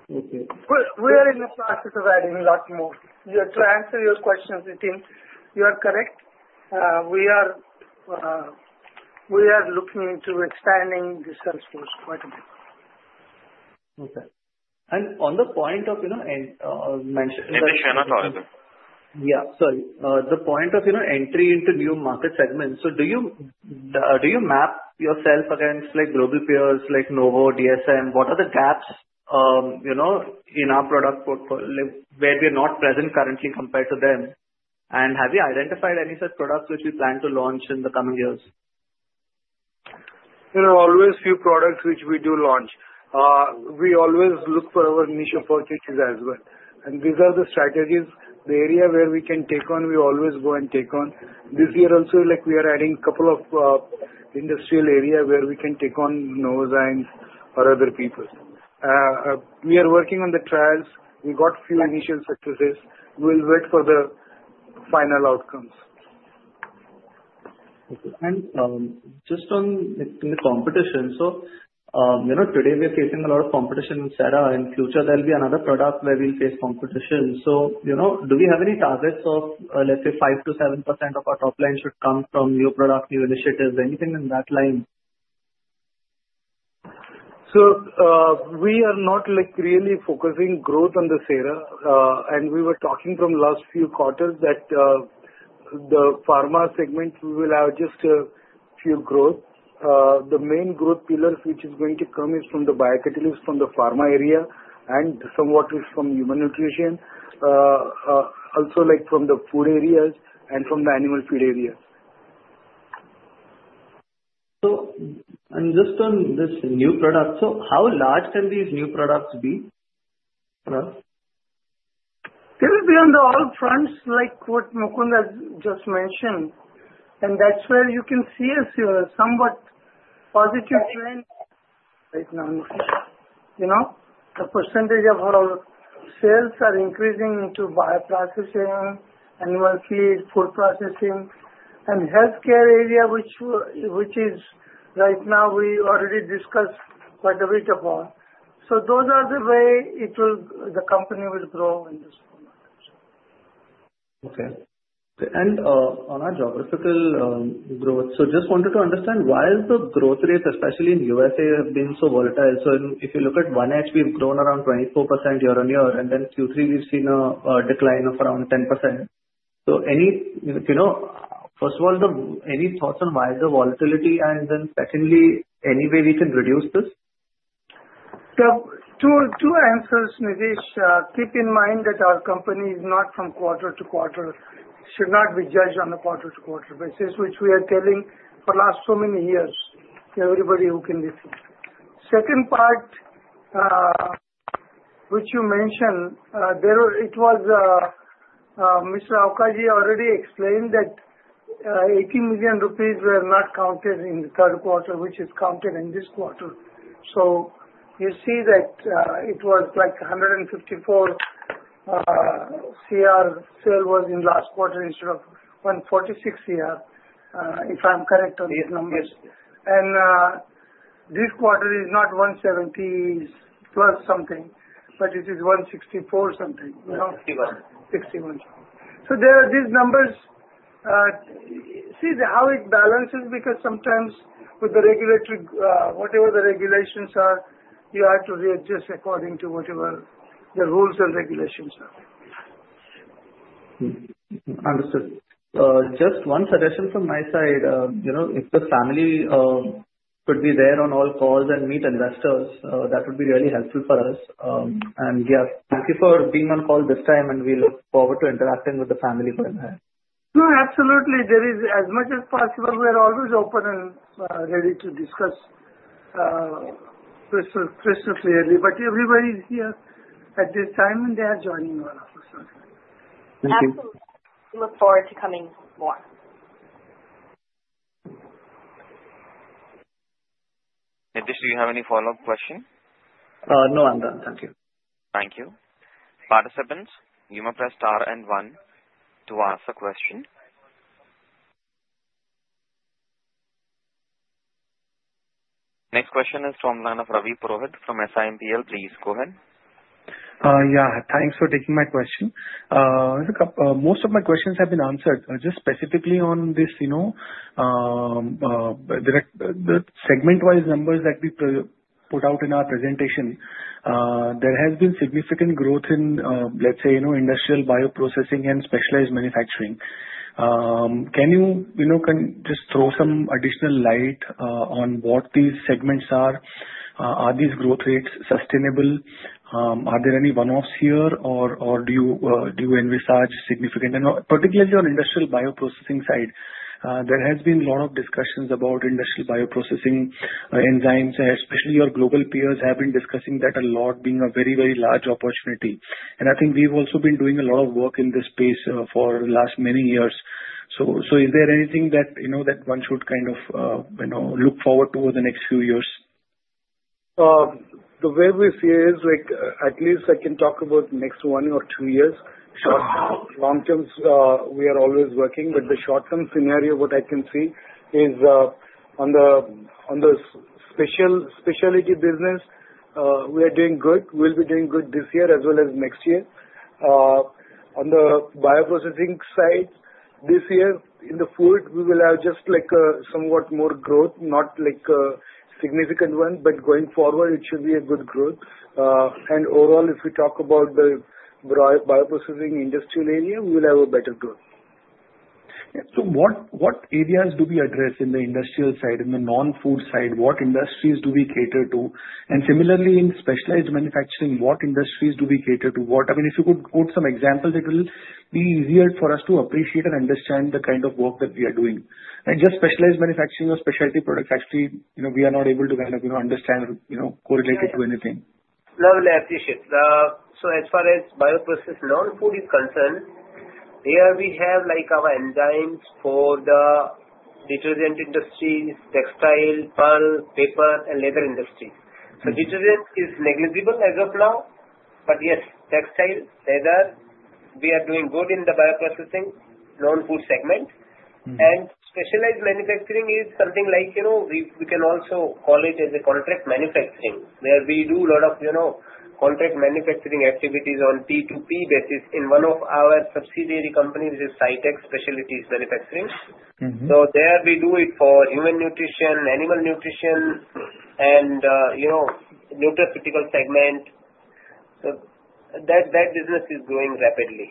J: We are in the process of adding a lot more. To answer your question, Nitish, you are correct. We are looking into expanding the sales force quite a bit.
E: Okay. And on the point of mention.
A: Nitish, you're not audible.
M: Yeah. Sorry. The point of entry into new market segments. So do you map yourself against global peers like Novo DSM? What are the gaps in our product portfolio where we are not present currently compared to them? And have you identified any such products which you plan to launch in the coming years?
E: There are always a few products which we do launch. We always look for our niche opportunities as well, and these are the strategies. The area where we can take on, we always go and take on. This year also, we are adding a couple of industrial areas where we can take on Novozymes or other people. We are working on the trials. We got a few initial successes. We'll wait for the final outcomes. And just on the competition, so today we are facing a lot of competition in SERA. In the future, there will be another product where we'll face competition. So do we have any targets of, let's say, 5%-7% of our top line should come from new products, new initiatives, anything in that line?
J: We are not really focusing growth on the SERA. We were talking from the last few quarters that the pharma segment will have just a few growths. The main growth pillars which is going to come is from the biocatalysts from the pharma area and somewhat from human nutrition, also from the food areas and from the animal feed areas.
E: Just on this new product, so how large can these new products be?
J: It will be on all fronts, like what Mukund has just mentioned. And that's where you can see a somewhat positive trend right now. The percentage of our sales are increasing into bioprocessing, animal feed, food processing, and healthcare area, which is right now we already discussed quite a bit about. So those are the way the company will grow in this form.
E: Okay. And on our geographical growth, so just wanted to understand why the growth rates, especially in USA, have been so volatile. So if you look at 1H, we've grown around 24% year on year. And then Q3, we've seen a decline of around 10%. So first of all, any thoughts on why the volatility? And then secondly, any way we can reduce this?
J: Two answers, Nitish. Keep in mind that our company is not from quarter to quarter. It should not be judged on a quarter-to-quarter basis, which we are telling for the last so many years. Everybody who can listen. Second part, which you mentioned, it was Mr. Rauka already explained that 80 million rupees were not counted in the third quarter, which is counted in this quarter. So you see that it was like 154 crore sale was in the last quarter instead of 146 crore, if I'm correct on these numbers. And this quarter is not 170 plus something, but it is 164 something 61. So these numbers, see how it balances because sometimes with the regulatory, whatever the regulations are, you have to readjust according to whatever the rules and regulations are.
E: Understood. Just one suggestion from my side. If the family could be there on all calls and meet investors, that would be really helpful for us. And yeah, thank you for being on call this time, and we look forward to interacting with the family for that.
J: No, absolutely. There is as much as possible. We are always open and ready to discuss crystal clearly. But everybody is here at this time, and they are joining all of us.
K: Absolutely. We look forward to coming more.
A: Nitish, do you have any follow-up question?
M: No, I'm done. Thank you.
A: Thank you. Participants, you may press star and one to ask a question. Next question is from Ravi Purohit from SIMPL. Please go ahead.
N: Yeah. Thanks for taking my question. Most of my questions have been answered. Just specifically on this, the segment-wise numbers that we put out in our presentation, there has been significant growth in, let's say, industrial bio-processing and specialized manufacturing. Can you just throw some additional light on what these segments are? Are these growth rates sustainable? Are there any one-offs here, or do you envisage significant? And particularly on the industrial bio-processing side, there has been a lot of discussions about industrial bio-processing enzymes, especially your global peers have been discussing that a lot being a very, very large opportunity. And I think we've also been doing a lot of work in this space for the last many years. So is there anything that one should kind of look forward to over the next few years?
J: The way we see it is, at least I can talk about the next one or two years. Short-term, long-term, we are always working, but the short-term scenario, what I can see is on the specialty business, we are doing good. We'll be doing good this year as well as next year. On the bioprocessing side, this year in the food, we will have just somewhat more growth, not a significant one, but going forward, it should be a good growth, and overall, if we talk about the bioprocessing industrial area, we will have a better growth.
E: So what areas do we address in the industrial side, in the non-food side? What industries do we cater to? And similarly, in specialized manufacturing, what industries do we cater to? I mean, if you could quote some examples, it will be easier for us to appreciate and understand the kind of work that we are doing. And just specialized manufacturing or specialty products, actually, we are not able to kind of understand, correlate it to anything.
J: Lovely. I appreciate it. So as far as bioprocessed non-food is concerned, here we have our enzymes for the detergent industries, textile, pulp, paper, and leather industries. So detergent is negligible as of now. But yes, textile, leather, we are doing good in the bioprocessing non-food segment. And specialized manufacturing is something like we can also call it as a contract manufacturing, where we do a lot of contract manufacturing activities on a P2P basis in one of our subsidiary companies, which is Scitech Specialities. So there we do it for human nutrition, animal nutrition, and nutraceutical segment. So that business is growing rapidly.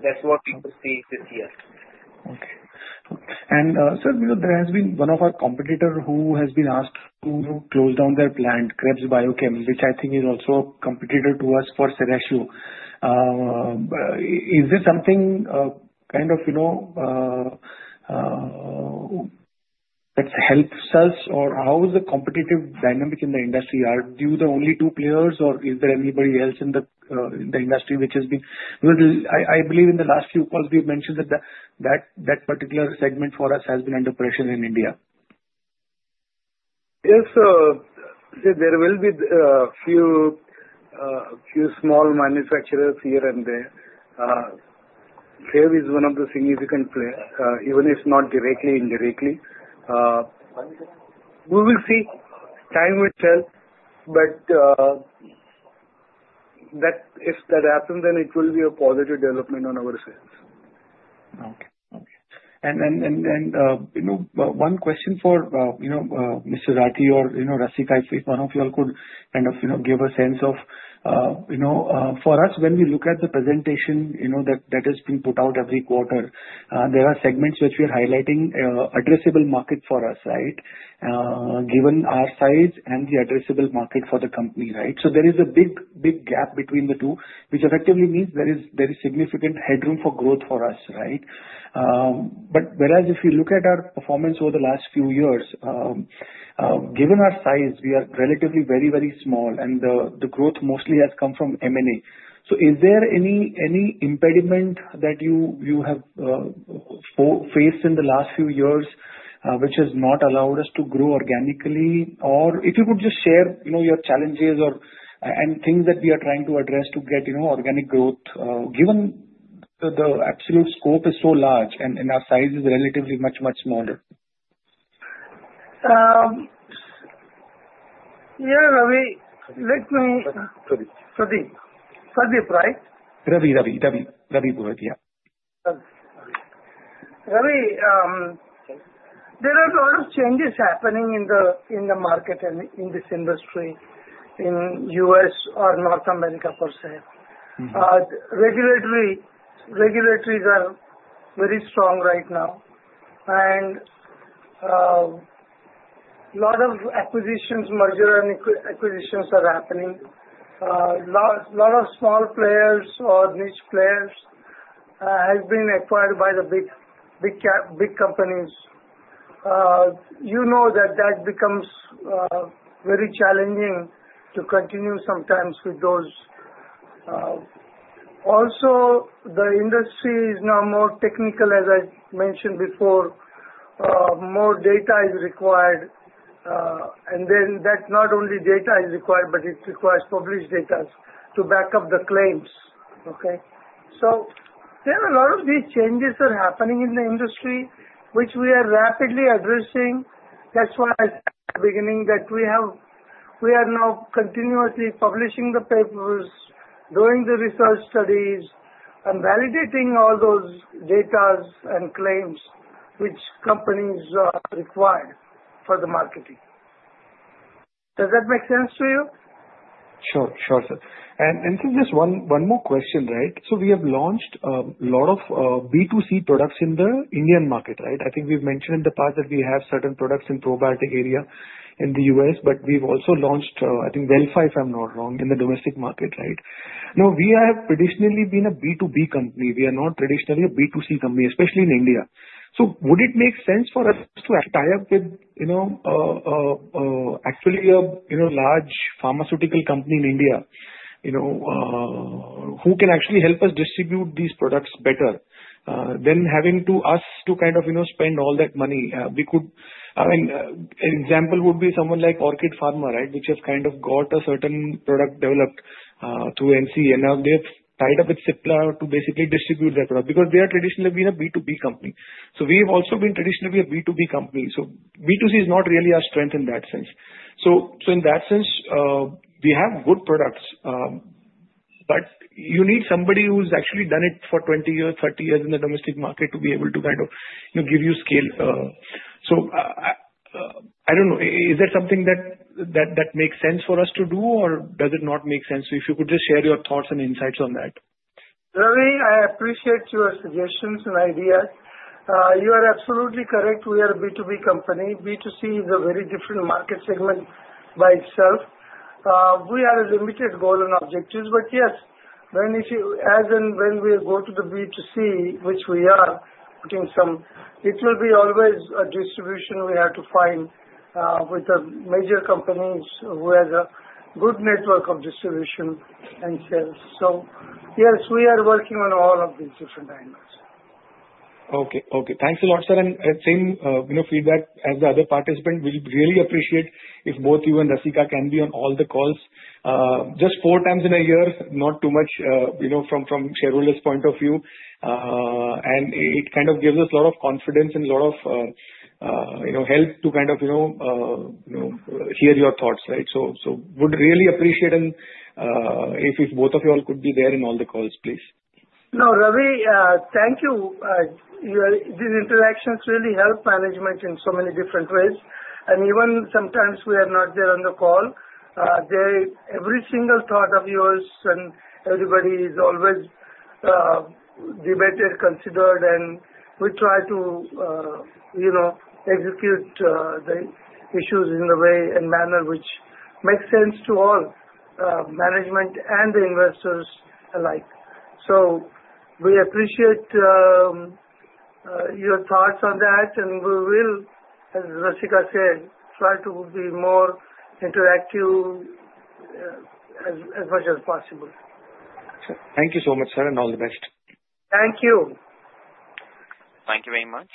J: That's what we could see this year.
E: Okay, and sir, there has been one of our competitors who has been asked to close down their plant, Krebs Biochemicals, which I think is also a competitor to us for Serratiopeptidase. Is this something kind of that helps us? Or how is the competitive dynamic in the industry? Are you the only two players, or is there anybody else in the industry which has been? I believe in the last few calls, we've mentioned that that particular segment for us has been under pressure in India.
J: Yes. There will be a few small manufacturers here and there. Krebs is one of the significant players, even if not directly, indirectly. We will see. Time will tell. But if that happens, then it will be a positive development on our side.
E: Okay. Okay. And then one question for Mr. Rathi or Rasika, if one of you all could kind of give a sense of for us, when we look at the presentation that has been put out every quarter, there are segments which we are highlighting addressable market for us, right, given our size and the addressable market for the company, right? So there is a big gap between the two, which effectively means there is significant headroom for growth for us, right? But whereas if you look at our performance over the last few years, given our size, we are relatively very, very small, and the growth mostly has come from M&A. So is there any impediment that you have faced in the last few years which has not allowed us to grow organically? Or if you could just share your challenges and things that we are trying to address to get organic growth, given the absolute scope is so large and our size is relatively much, much smaller?
J: Yeah. Ravi, let me.
A: Sorry.
J: Ravi, right?
E: Ravi, Ravi, Ravi. Ravi Purohit, yeah.
J: Ravi, there are a lot of changes happening in the market and in this industry in the U.S. or North America per se. Regulators are very strong right now, and a lot of acquisitions, merger acquisitions are happening. A lot of small players or niche players have been acquired by the big companies. You know that that becomes very challenging to continue sometimes with those. Also, the industry is now more technical, as I mentioned before. More data is required, and then that not only data is required, but it requires published data to back up the claims, okay, so there are a lot of these changes that are happening in the industry, which we are rapidly addressing. That's why I said at the beginning that we are now continuously publishing the papers, doing the research studies, and validating all those data and claims which companies require for the marketing. Does that make sense to you?
E: Sure. Sure, sir. And this is just one more question, right? So we have launched a lot of B2C products in the Indian market, right? I think we've mentioned in the past that we have certain products in the probiotic area in the US, but we've also launched, I think, Wellfa, if I'm not wrong, in the domestic market, right? Now, we have traditionally been a B2B company. We are not traditionally a B2C company, especially in India. So would it make sense for us to tie up with actually a large pharmaceutical company in India who can actually help us distribute these products better than having us to kind of spend all that money? I mean, an example would be someone like Orchid Pharma, right, which has kind of got a certain product developed through NCE, and now they've tied up with Cipla to basically distribute that product because they have traditionally been a B2B company. So we have also been traditionally a B2B company. So B2C is not really our strength in that sense. So in that sense, we have good products, but you need somebody who's actually done it for 20 years, 30 years in the domestic market to be able to kind of give you scale. So I don't know. Is that something that makes sense for us to do, or does it not make sense? So if you could just share your thoughts and insights on that.
J: Ravi, I appreciate your suggestions and ideas. You are absolutely correct. We are a B2B company. B2C is a very different market segment by itself. We have a limited goal and objectives. But yes, as and when we go to the B2C, which we are putting some, it will be always a distribution we have to find with the major companies who have a good network of distribution and sales. So yes, we are working on all of these different dynamics.
E: Okay. Okay. Thanks a lot, sir. And same feedback as the other participants. We'll really appreciate if both you and Rasika can be on all the calls. Just four times in a year, not too much from shareholders' point of view. And it kind of gives us a lot of confidence and a lot of help to kind of hear your thoughts, right? So would really appreciate if both of you all could be there in all the calls, please.
J: No, Ravi, thank you. This interaction has really helped management in so many different ways, and even sometimes we are not there on the call, every single thought of yours and everybody is always debated, considered, and we try to execute the issues in the way and manner which makes sense to all management and the investors alike, so we appreciate your thoughts on that, and we will, as Rasika said, try to be more interactive as much as possible.
E: Thank you so much, sir, and all the best.
J: Thank you.
A: Thank you very much.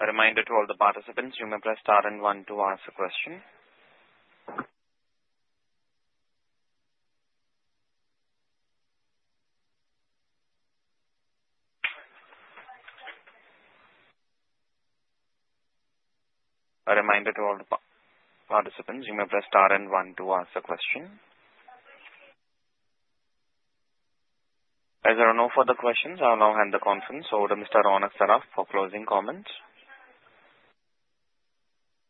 A: A reminder to all the participants, you may press star and one to ask a question. As there are no further questions, I'll now hand the conference over to Mr. Ronak Saraf for closing comments.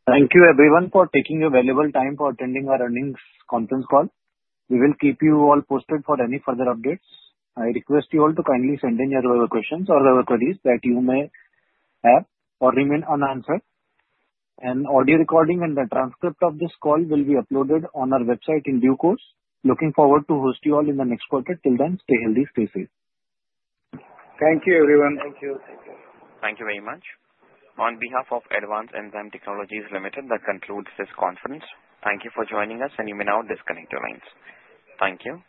B: Thank you, everyone, for taking your valuable time for attending our earnings conference call. We will keep you all posted for any further updates. I request you all to kindly send in your questions or queries that you may have or remain unanswered. The audio recording and the transcript of this call will be uploaded on our website in due course. Looking forward to hosting you all in the next quarter. Till then, stay healthy, stay safe.
J: Thank you, everyone. Thank you.
A: Thank you very much. On behalf of Advanced Enzyme Technologies Limited, that concludes this conference. Thank you for joining us, and you may now disconnect your lines. Thank you.